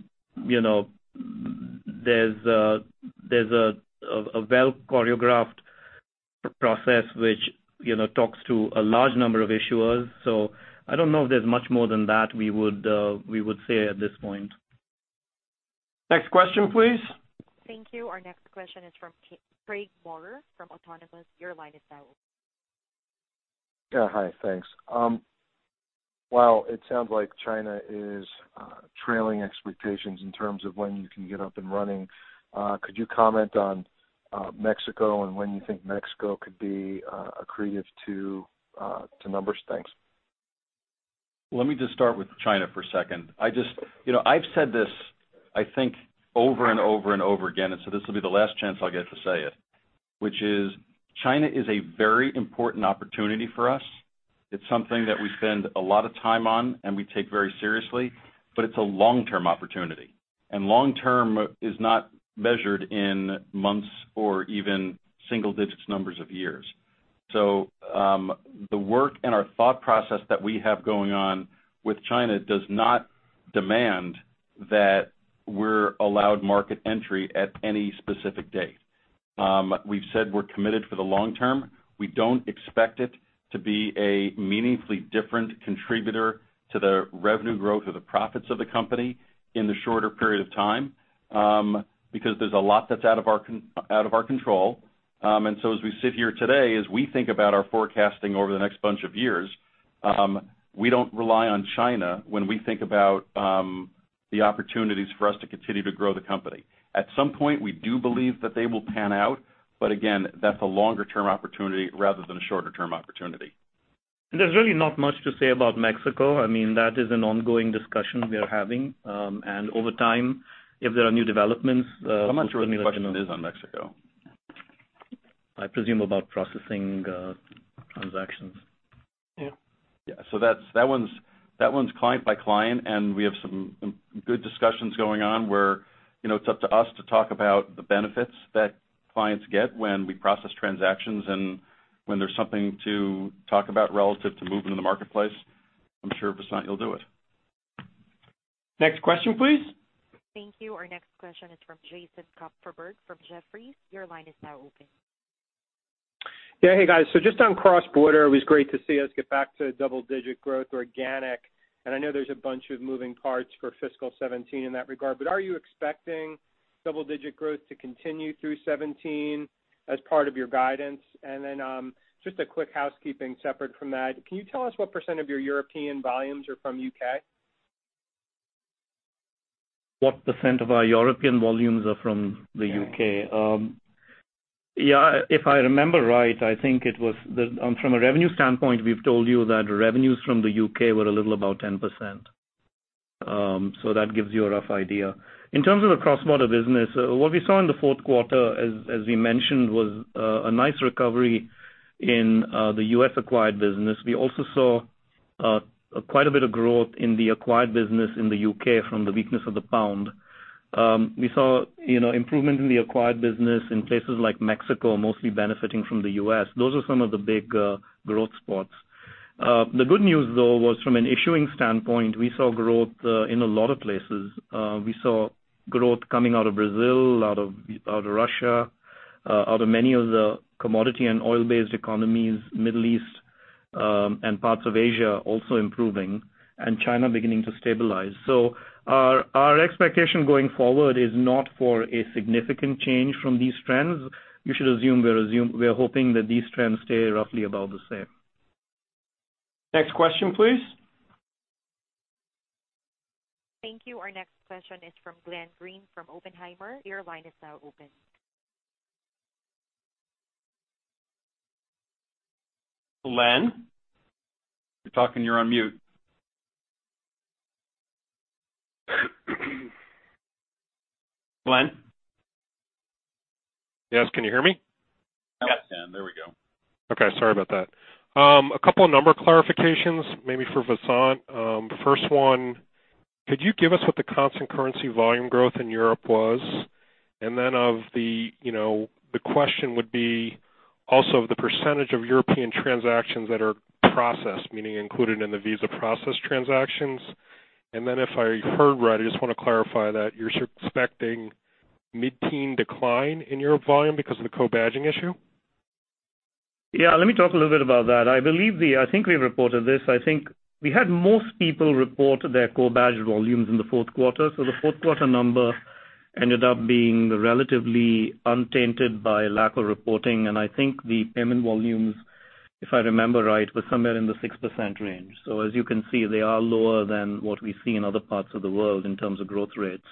a well-choreographed process which talks to a large number of issuers. I don't know if there's much more than that we would say at this point. Next question please. Thank you. Our next question is from Craig Maurer from Autonomous. Your line is now open. Yeah. Hi, thanks. While it sounds like China is trailing expectations in terms of when you can get up and running, could you comment on Mexico and when you think Mexico could be accretive to numbers? Thanks. Let me just start with China for a second. I've said this, I think, over and over and over again. This will be the last chance I'll get to say it, which is China is a very important opportunity for us. It's something that we spend a lot of time on, and we take very seriously. It's a long-term opportunity, and long term is not measured in months or even single-digit numbers of years. The work and our thought process that we have going on with China does not demand that we're allowed market entry at any specific date. We've said we're committed for the long term. We don't expect it to be a meaningfully different contributor to the revenue growth or the profits of the company in the shorter period of time because there's a lot that's out of our control. As we sit here today, as we think about our forecasting over the next bunch of years, we don't rely on China when we think about the opportunities for us to continue to grow the company. At some point, we do believe that they will pan out. Again, that's a longer-term opportunity rather than a shorter-term opportunity. There's really not much to say about Mexico. That is an ongoing discussion we are having. Over time, if there are new developments. I'm not sure what the question is on Mexico. I presume about processing transactions. Yeah. That one's client by client, and we have some good discussions going on where it's up to us to talk about the benefits that clients get when we process transactions. When there's something to talk about relative to movement in the marketplace, I'm sure Vasant you'll do it. Next question, please. Thank you. Our next question is from Jason Kupferberg from Jefferies. Your line is now open. Yeah. Hey, guys. Just on cross-border, it was great to see us get back to double-digit growth organic. I know there's a bunch of moving parts for fiscal 2017 in that regard, but are you expecting double-digit growth to continue through 2017 as part of your guidance? Just a quick housekeeping separate from that. Can you tell us what % of your European volumes are from U.K.? What % of our European volumes are from the U.K.? Yeah. Yeah. If I remember right, I think it was from a revenue standpoint, we've told you that revenues from the U.K. were a little above 10%. That gives you a rough idea. In terms of the cross-border business, what we saw in the fourth quarter, as we mentioned, was a nice recovery in the U.S.-acquired business. We also saw quite a bit of growth in the acquired business in the U.K. from the weakness of the pound. We saw improvement in the acquired business in places like Mexico, mostly benefiting from the U.S. Those are some of the big growth spots. The good news, though, was from an issuing standpoint, we saw growth in a lot of places. We saw growth coming out of Brazil, out of Russia, out of many of the commodity and oil-based economies, Middle East, and parts of Asia also improving, and China beginning to stabilize. Our expectation going forward is not for a significant change from these trends. You should assume we're hoping that these trends stay roughly about the same. Next question, please. Thank you. Our next question is from Glenn Greene from Oppenheimer. Your line is now open. Glenn? If you're talking you're on mute. Glenn? Yes. Can you hear me? Yes, Glenn. There we go. Okay. Sorry about that. A couple of number clarifications, maybe for Vasant. First one, could you give us what the constant currency volume growth in Europe was? The question would be also the % of European transactions that are processed, meaning included in the Visa processed transactions. If I heard right, I just want to clarify that you're expecting mid-teen decline in your volume because of the co-badging issue? Yeah, let me talk a little bit about that. I think we reported this. I think we had most people report their co-badge volumes in the fourth quarter. The fourth quarter number ended up being relatively untainted by lack of reporting. I think the payment volumes, if I remember right, were somewhere in the 6% range. As you can see, they are lower than what we see in other parts of the world in terms of growth rates.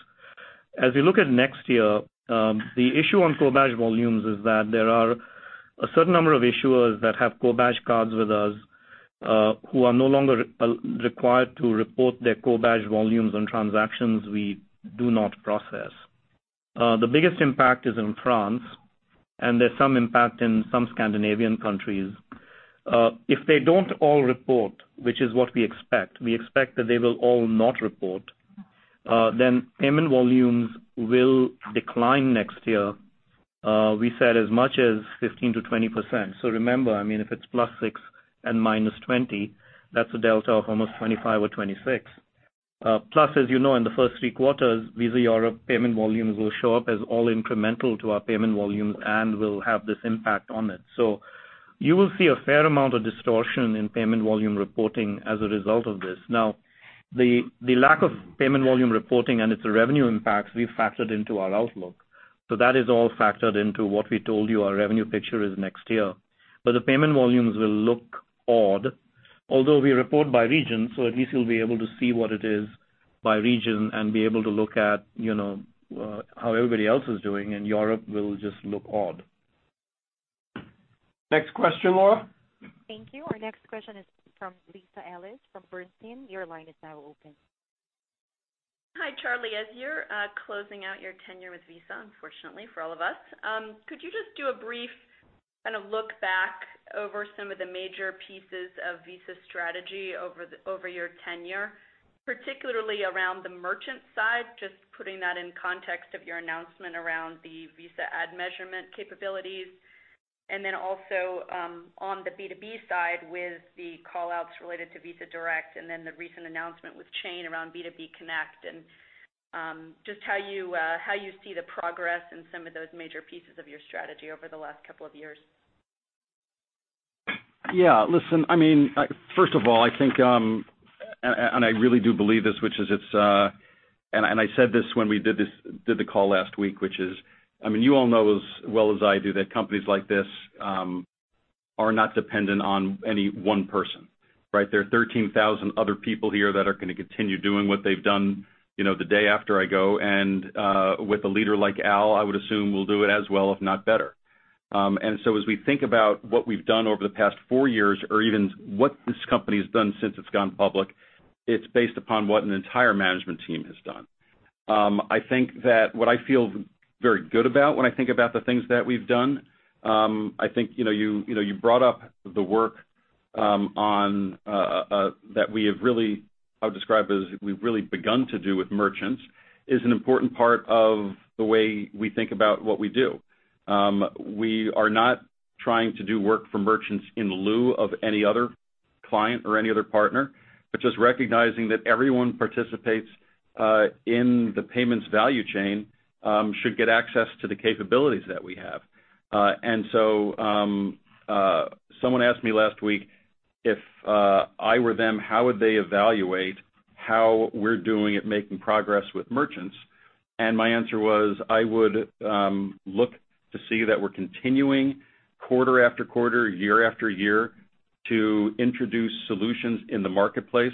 As we look at next year, the issue on co-badge volumes is that there are a certain number of issuers that have co-badge cards with us, who are no longer required to report their co-badge volumes on transactions we do not process. The biggest impact is in France, and there's some impact in some Scandinavian countries. If they don't all report, which is what we expect, we expect that they will all not report, then payment volumes will decline next year. We said as much as 15%-20%. Remember, if it's +6 and -20, that's a delta of almost 25 or 26. As you know, in the first three quarters, Visa Europe payment volumes will show up as all incremental to our payment volumes and will have this impact on it. You will see a fair amount of distortion in payment volume reporting as a result of this. The lack of payment volume reporting and its revenue impacts, we've factored into our outlook. That is all factored into what we told you our revenue picture is next year. The payment volumes will look odd, although we report by region, so at least you'll be able to see what it is by region and be able to look at how everybody else is doing, and Europe will just look odd. Next question, Laura. Thank you. Our next question is from Lisa Ellis from Bernstein. Your line is now open. Hi, Charlie. As you're closing out your tenure with Visa, unfortunately for all of us, could you just do a brief look back over some of the major pieces of Visa's strategy over your tenure, particularly around the merchant side, just putting that in context of your announcement around the Visa Ad Measurement capabilities, and then also on the B2B side with the call-outs related to Visa Direct and then the recent announcement with Chain around B2B Connect, and just how you see the progress in some of those major pieces of your strategy over the last couple of years? Yeah. Listen, first of all, I really do believe this, and I said this when we did the call last week, which is, you all know as well as I do that companies like this are not dependent on any one person, right? There are 13,000 other people here that are going to continue doing what they've done the day after I go, and with a leader like Al, I would assume we'll do it as well, if not better. As we think about what we've done over the past four years or even what this company's done since it's gone public, it's based upon what an entire management team has done. I think that what I feel very good about when I think about the things that we've done, you brought up the work that I'll describe as we've really begun to do with merchants is an important part of the way we think about what we do. We are not trying to do work for merchants in lieu of any other client or any other partner, but just recognizing that everyone participates in the payments value chain should get access to the capabilities that we have. Someone asked me last week if I were them, how would they evaluate how we're doing at making progress with merchants? My answer was, I would look to see that we're continuing quarter after quarter, year after year, to introduce solutions in the marketplace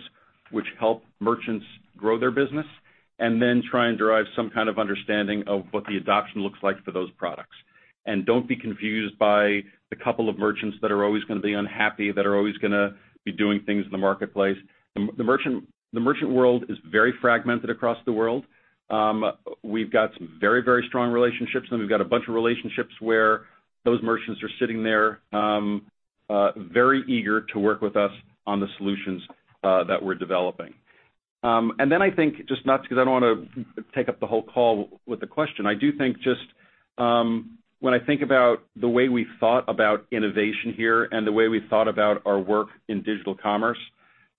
which help merchants grow their business, and then try and derive some kind of understanding of what the adoption looks like for those products. Don't be confused by the couple of merchants that are always going to be unhappy, that are always going to be doing things in the marketplace. The merchant world is very fragmented across the world. We've got some very strong relationships, and we've got a bunch of relationships where those merchants are sitting there very eager to work with us on the solutions that we're developing. Then I think, just because I don't want to take up the whole call with the question. I do think just when I think about the way we thought about innovation here and the way we thought about our work in digital commerce,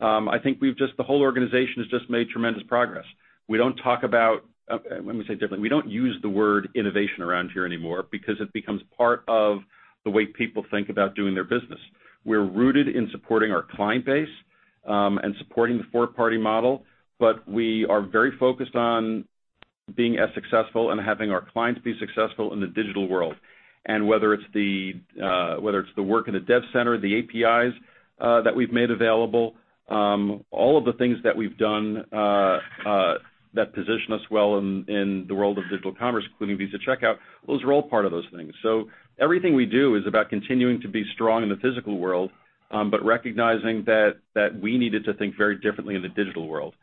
I think the whole organization has just made tremendous progress. Let me say it differently. We don't use the word innovation around here anymore because it becomes part of the way people think about doing their business. We're rooted in supporting our client base and supporting the four-party model, but we are very focused on being as successful and having our clients be successful in the digital world. Whether it's the work in the dev center, the APIs that we've made available, all of the things that we've done that position us well in the world of digital commerce, including Visa Checkout, those are all part of those things. Everything we do is about continuing to be strong in the physical world, but recognizing that we needed to think very differently in the digital world.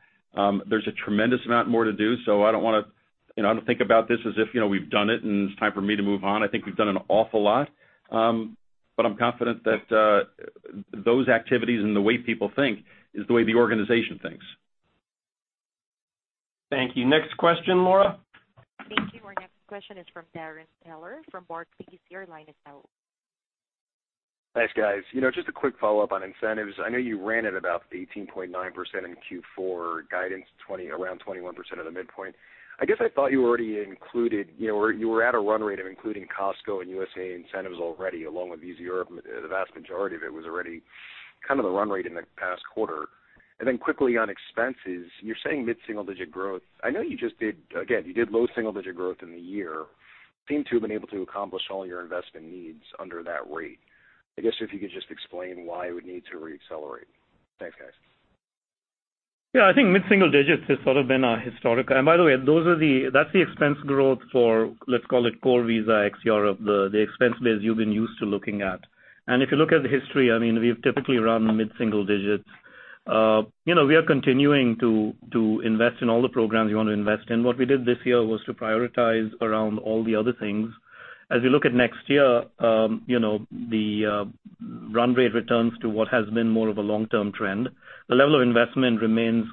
There's a tremendous amount more to do, so I don't think about this as if we've done it and it's time for me to move on. I think we've done an awful lot. I'm confident that those activities and the way people think is the way the organization thinks. Thank you. Next question, Laura. Thank you. Our next question is from Darrin Peller from Barclays. Your line is now open. Thanks, guys. Just a quick follow-up on incentives. I know you ran at about 18.9% in Q4 guidance, around 21% at the midpoint. I guess I thought you were at a run rate of including Costco and USAA incentives already along with Visa Europe. The vast majority of it was already kind of the run rate in the past quarter. quickly on expenses, you're saying mid-single-digit growth. I know you just did, again, you did low single-digit growth in the year. Seem to have been able to accomplish all your investment needs under that rate. I guess if you could just explain why it would need to re-accelerate. Thanks, guys. I think mid-single digits has sort of been our historic. By the way, that's the expense growth for, let's call it core Visa X Europe, the expense base you've been used to looking at. If you look at the history, we've typically run mid-single digits. We are continuing to invest in all the programs we want to invest in. What we did this year was to prioritize around all the other things. We look at next year, the run rate returns to what has been more of a long-term trend. The level of investment remains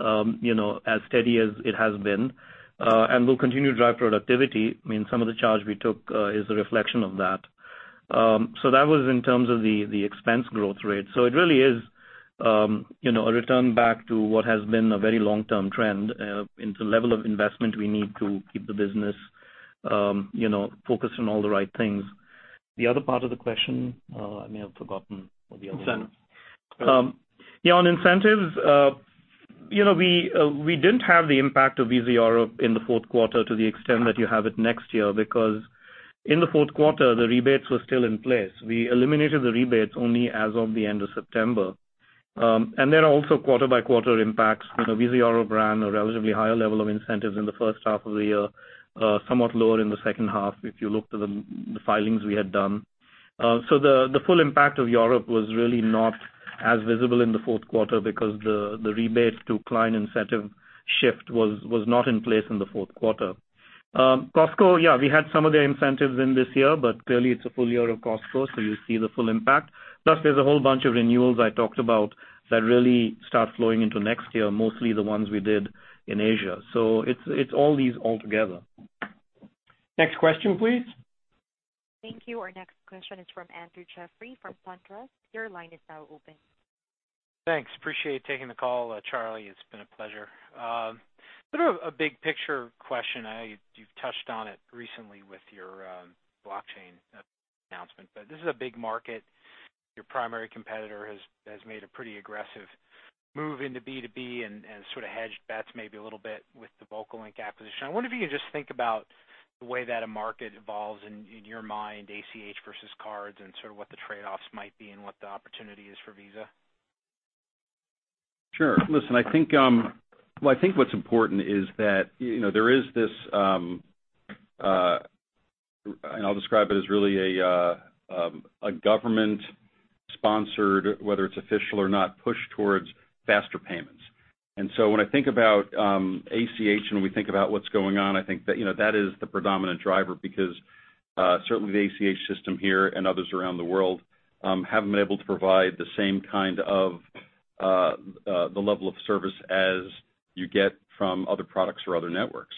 as steady as it has been. We'll continue to drive productivity. Some of the charge we took is a reflection of that. That was in terms of the expense growth rate. It really is a return back to what has been a very long-term trend in the level of investment we need to keep the business focused on all the right things. The other part of the question I may have forgotten. Incentives. on incentives, we didn't have the impact of Visa Europe in the fourth quarter to the extent that you have it next year because in the fourth quarter, the rebates were still in place. We eliminated the rebates only as of the end of September. There are also quarter-by-quarter impacts. Visa Europe ran a relatively higher level of incentives in the first half of the year, somewhat lower in the second half if you look to the filings we had done. The full impact of Europe was really not as visible in the fourth quarter because the rebate to client incentive shift was not in place in the fourth quarter. Costco, yeah, we had some of their incentives in this year, but clearly it's a full year of Costco, so you see the full impact. There's a whole bunch of renewals I talked about that really start flowing into next year, mostly the ones we did in Asia. It's all these all together. Next question, please. Thank you. Our next question is from Andrew Jeffrey from SunTrust. Your line is now open. Thanks. Appreciate taking the call, Charlie. It's been a pleasure. Sort of a big picture question. I know you've touched on it recently with your blockchain announcement. This is a big market. Your primary competitor has made a pretty aggressive move into B2B and sort of hedged bets maybe a little bit with the VocaLink acquisition. I wonder if you can just think about the way that a market evolves in your mind, ACH versus cards, and sort of what the trade-offs might be and what the opportunity is for Visa. Sure. Listen, I think what's important is that there is this, I'll describe it as really a government-sponsored, whether it's official or not, push towards faster payments. When I think about ACH and we think about what's going on, I think that is the predominant driver because certainly the ACH system here and others around the world haven't been able to provide the same kind of the level of service as you get from other products or other networks.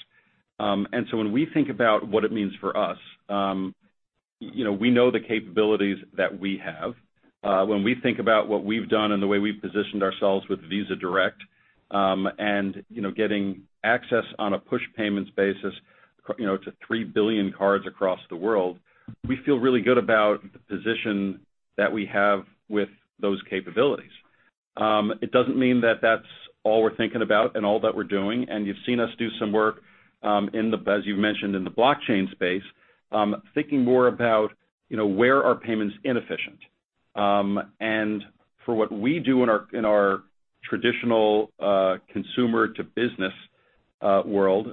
When we think about what it means for us, we know the capabilities that we have. When we think about what we've done and the way we've positioned ourselves with Visa Direct, and getting access on a push payments basis to 3 billion cards across the world, we feel really good about the position that we have with those capabilities. It doesn't mean that that's all we're thinking about and all that we're doing. You've seen us do some work as you've mentioned in the blockchain space, thinking more about where are payments inefficient. For what we do in our traditional consumer-to-business world,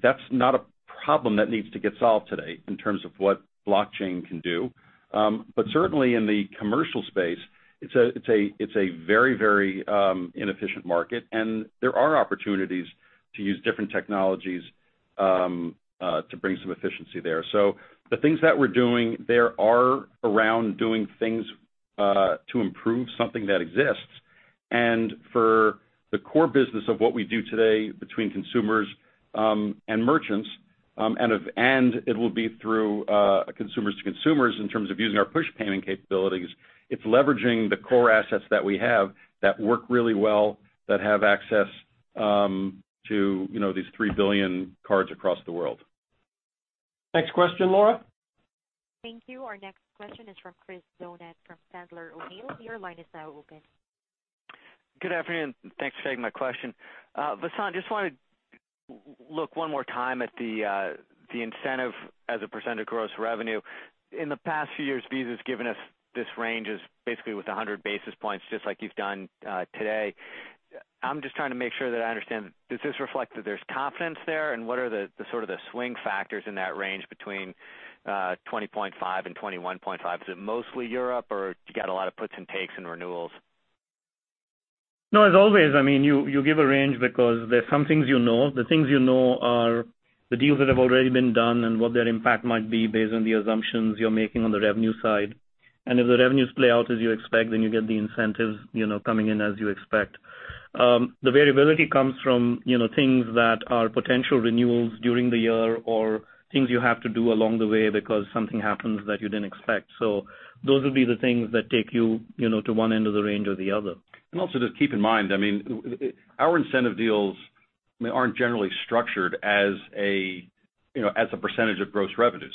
that's not a problem that needs to get solved today in terms of what blockchain can do. Certainly in the commercial space, it's a very inefficient market, and there are opportunities to use different technologies to bring some efficiency there. The things that we're doing there are around doing things to improve something that exists. For the core business of what we do today between consumers and merchants, and it'll be through consumers to consumers in terms of using our push payment capabilities. It's leveraging the core assets that we have that work really well, that have access to these 3 billion cards across the world. Next question, Laura. Thank you. Our next question is from Chris Donat from Sandler O'Neill. Your line is now open. Good afternoon. Thanks for taking my question. Vasant, just want to look one more time at the incentive as a % of gross revenue. In the past few years, Visa's given us this range as basically with 100 basis points, just like you've done today. I'm just trying to make sure that I understand. Does this reflect that there's confidence there, and what are the sort of the swing factors in that range between 20.5% and 21.5%? Is it mostly Europe, or do you get a lot of puts and takes and renewals? As always, you give a range because there's some things you know. The things you know are the deals that have already been done and what their impact might be based on the assumptions you're making on the revenue side. If the revenues play out as you expect, then you get the incentives coming in as you expect. The variability comes from things that are potential renewals during the year or things you have to do along the way because something happens that you didn't expect. Those will be the things that take you to one end of the range or the other. Also just keep in mind, our incentive deals They aren't generally structured as a percentage of gross revenues.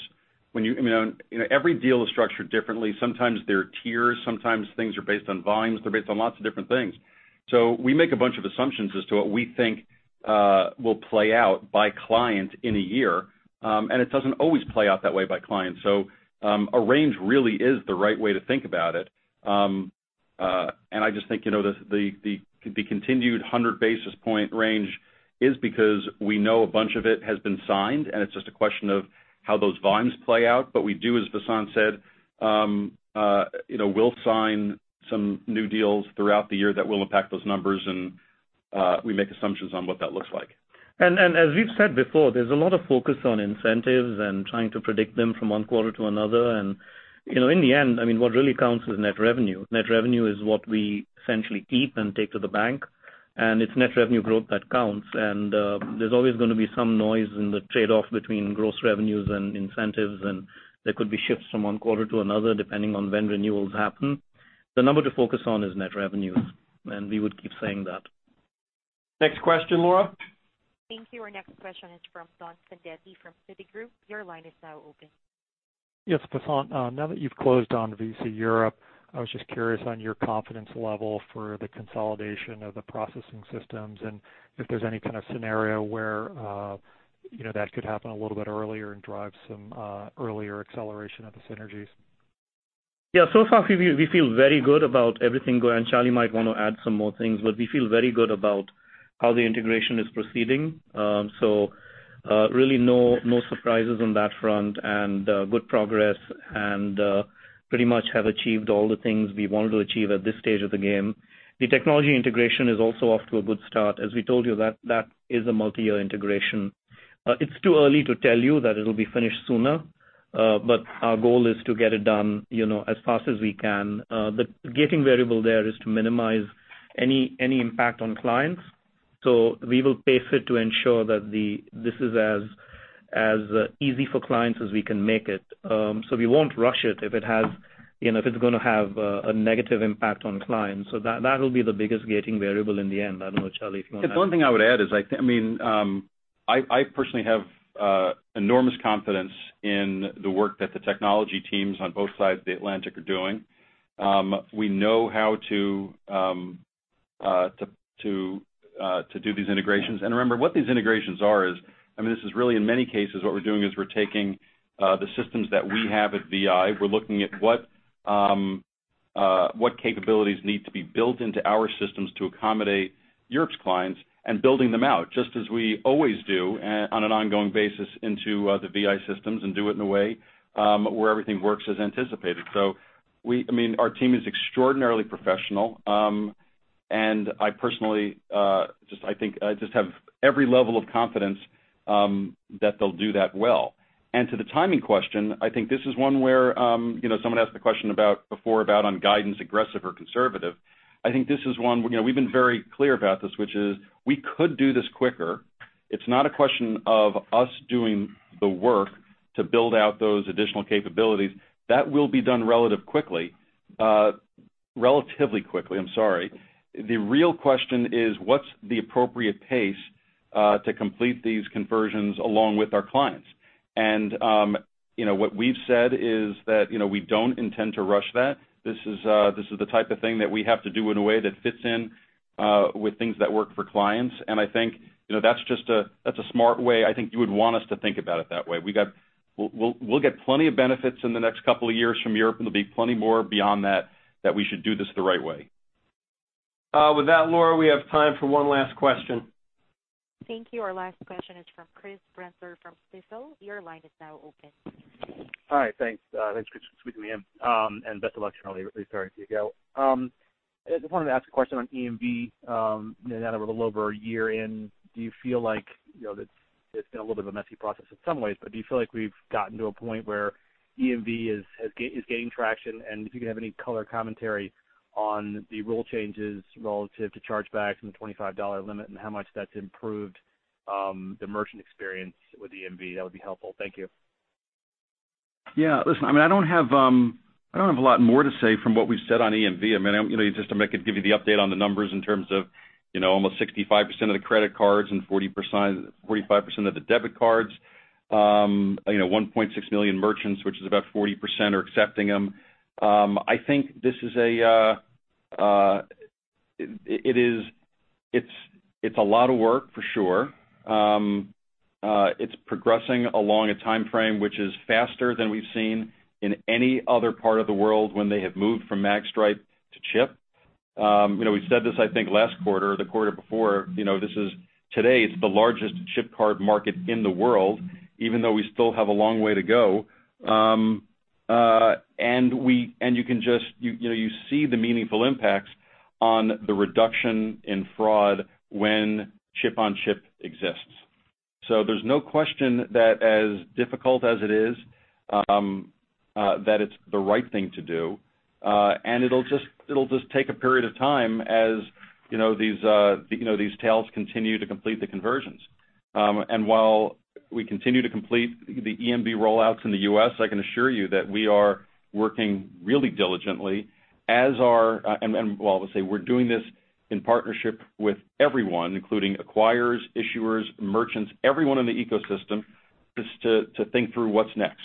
Every deal is structured differently. Sometimes there are tiers, sometimes things are based on volumes. They're based on lots of different things. We make a bunch of assumptions as to what we think will play out by client in a year, and it doesn't always play out that way by client. A range really is the right way to think about it. I just think the continued 100 basis point range is because we know a bunch of it has been signed, and it's just a question of how those volumes play out. We do, as Vasant said, we'll sign some new deals throughout the year that will impact those numbers, and we make assumptions on what that looks like. As we've said before, there's a lot of focus on incentives and trying to predict them from one quarter to another. In the end, what really counts is net revenue. Net revenue is what we essentially keep and take to the bank, and it's net revenue growth that counts. There's always going to be some noise in the trade-off between gross revenues and incentives, and there could be shifts from one quarter to another, depending on when renewals happen. The number to focus on is net revenue, and we would keep saying that. Next question, Laura. Thank you. Our next question is from Don Fandetti from Citigroup. Your line is now open. Yes, Vasant, now that you've closed on Visa Europe, I was just curious on your confidence level for the consolidation of the processing systems and if there's any kind of scenario where that could happen a little bit earlier and drive some earlier acceleration of the synergies. Yeah, so far, we feel very good about everything going. Charlie might want to add some more things, we feel very good about how the integration is proceeding. Really no surprises on that front and good progress and pretty much have achieved all the things we wanted to achieve at this stage of the game. The technology integration is also off to a good start. As we told you, that is a multi-year integration. It's too early to tell you that it'll be finished sooner. Our goal is to get it done as fast as we can. The gating variable there is to minimize any impact on clients. We will pace it to ensure that this is as easy for clients as we can make it. We won't rush it if it's going to have a negative impact on clients. That'll be the biggest gating variable in the end. I don't know, Charlie, if you want to add. One thing I would add is I personally have enormous confidence in the work that the technology teams on both sides of the Atlantic are doing. We know how to do these integrations. Remember, what these integrations are is, this is really in many cases what we're doing is we're taking the systems that we have at VI. We're looking at what capabilities need to be built into our systems to accommodate Europe's clients and building them out, just as we always do on an ongoing basis into the VI systems and do it in a way where everything works as anticipated. Our team is extraordinarily professional. I personally just have every level of confidence that they'll do that well. To the timing question, I think this is one where someone asked the question before about on guidance, aggressive or conservative. I think this is one we've been very clear about this, which is we could do this quicker. It's not a question of us doing the work to build out those additional capabilities. That will be done relatively quickly. The real question is what's the appropriate pace to complete these conversions along with our clients? What we've said is that we don't intend to rush that. This is the type of thing that we have to do in a way that fits in with things that work for clients. I think that's a smart way. I think you would want us to think about it that way. We'll get plenty of benefits in the next couple of years from Europe, there'll be plenty more beyond that we should do this the right way. With that, Laura, we have time for one last question. Thank you. Our last question is from Chris Brendler from Stifel. Your line is now open. Hi. Thanks. Thanks for squeezing me in. Best of luck from earlier. Sorry to you. I just wanted to ask a question on EMV. Now that we're a little over a year in, do you feel like it's been a little bit of a messy process in some ways, but do you feel like we've gotten to a point where EMV is gaining traction? If you could have any color commentary on the rule changes relative to chargebacks and the $25 limit and how much that's improved the merchant experience with EMV, that would be helpful. Thank you. Yeah. Listen, I don't have a lot more to say from what we've said on EMV. Just to give you the update on the numbers in terms of almost 65% of the credit cards and 45% of the debit cards, 1.6 million merchants, which is about 40%, are accepting them. I think it's a lot of work, for sure. It's progressing along a timeframe which is faster than we've seen in any other part of the world when they have moved from magstripe to chip. We said this, I think, last quarter or the quarter before. Today, it's the largest chip card market in the world, even though we still have a long way to go. You see the meaningful impacts on the reduction in fraud when chip on chip exists. There's no question that as difficult as it is, that it's the right thing to do. It'll just take a period of time as these tails continue to complete the conversions. While we continue to complete the EMV rollouts in the U.S., I can assure you that we are working really diligently. Well, I would say we're doing this in partnership with everyone, including acquirers, issuers, merchants, everyone in the ecosystem, just to think through what's next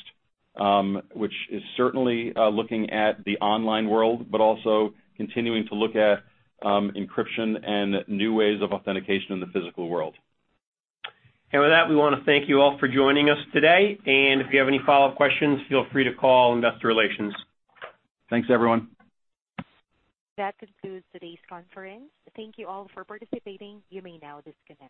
which is certainly looking at the online world, but also continuing to look at encryption and new ways of authentication in the physical world. With that, we want to thank you all for joining us today. If you have any follow-up questions, feel free to call investor relations. Thanks, everyone. That concludes today's conference. Thank you all for participating. You may now disconnect.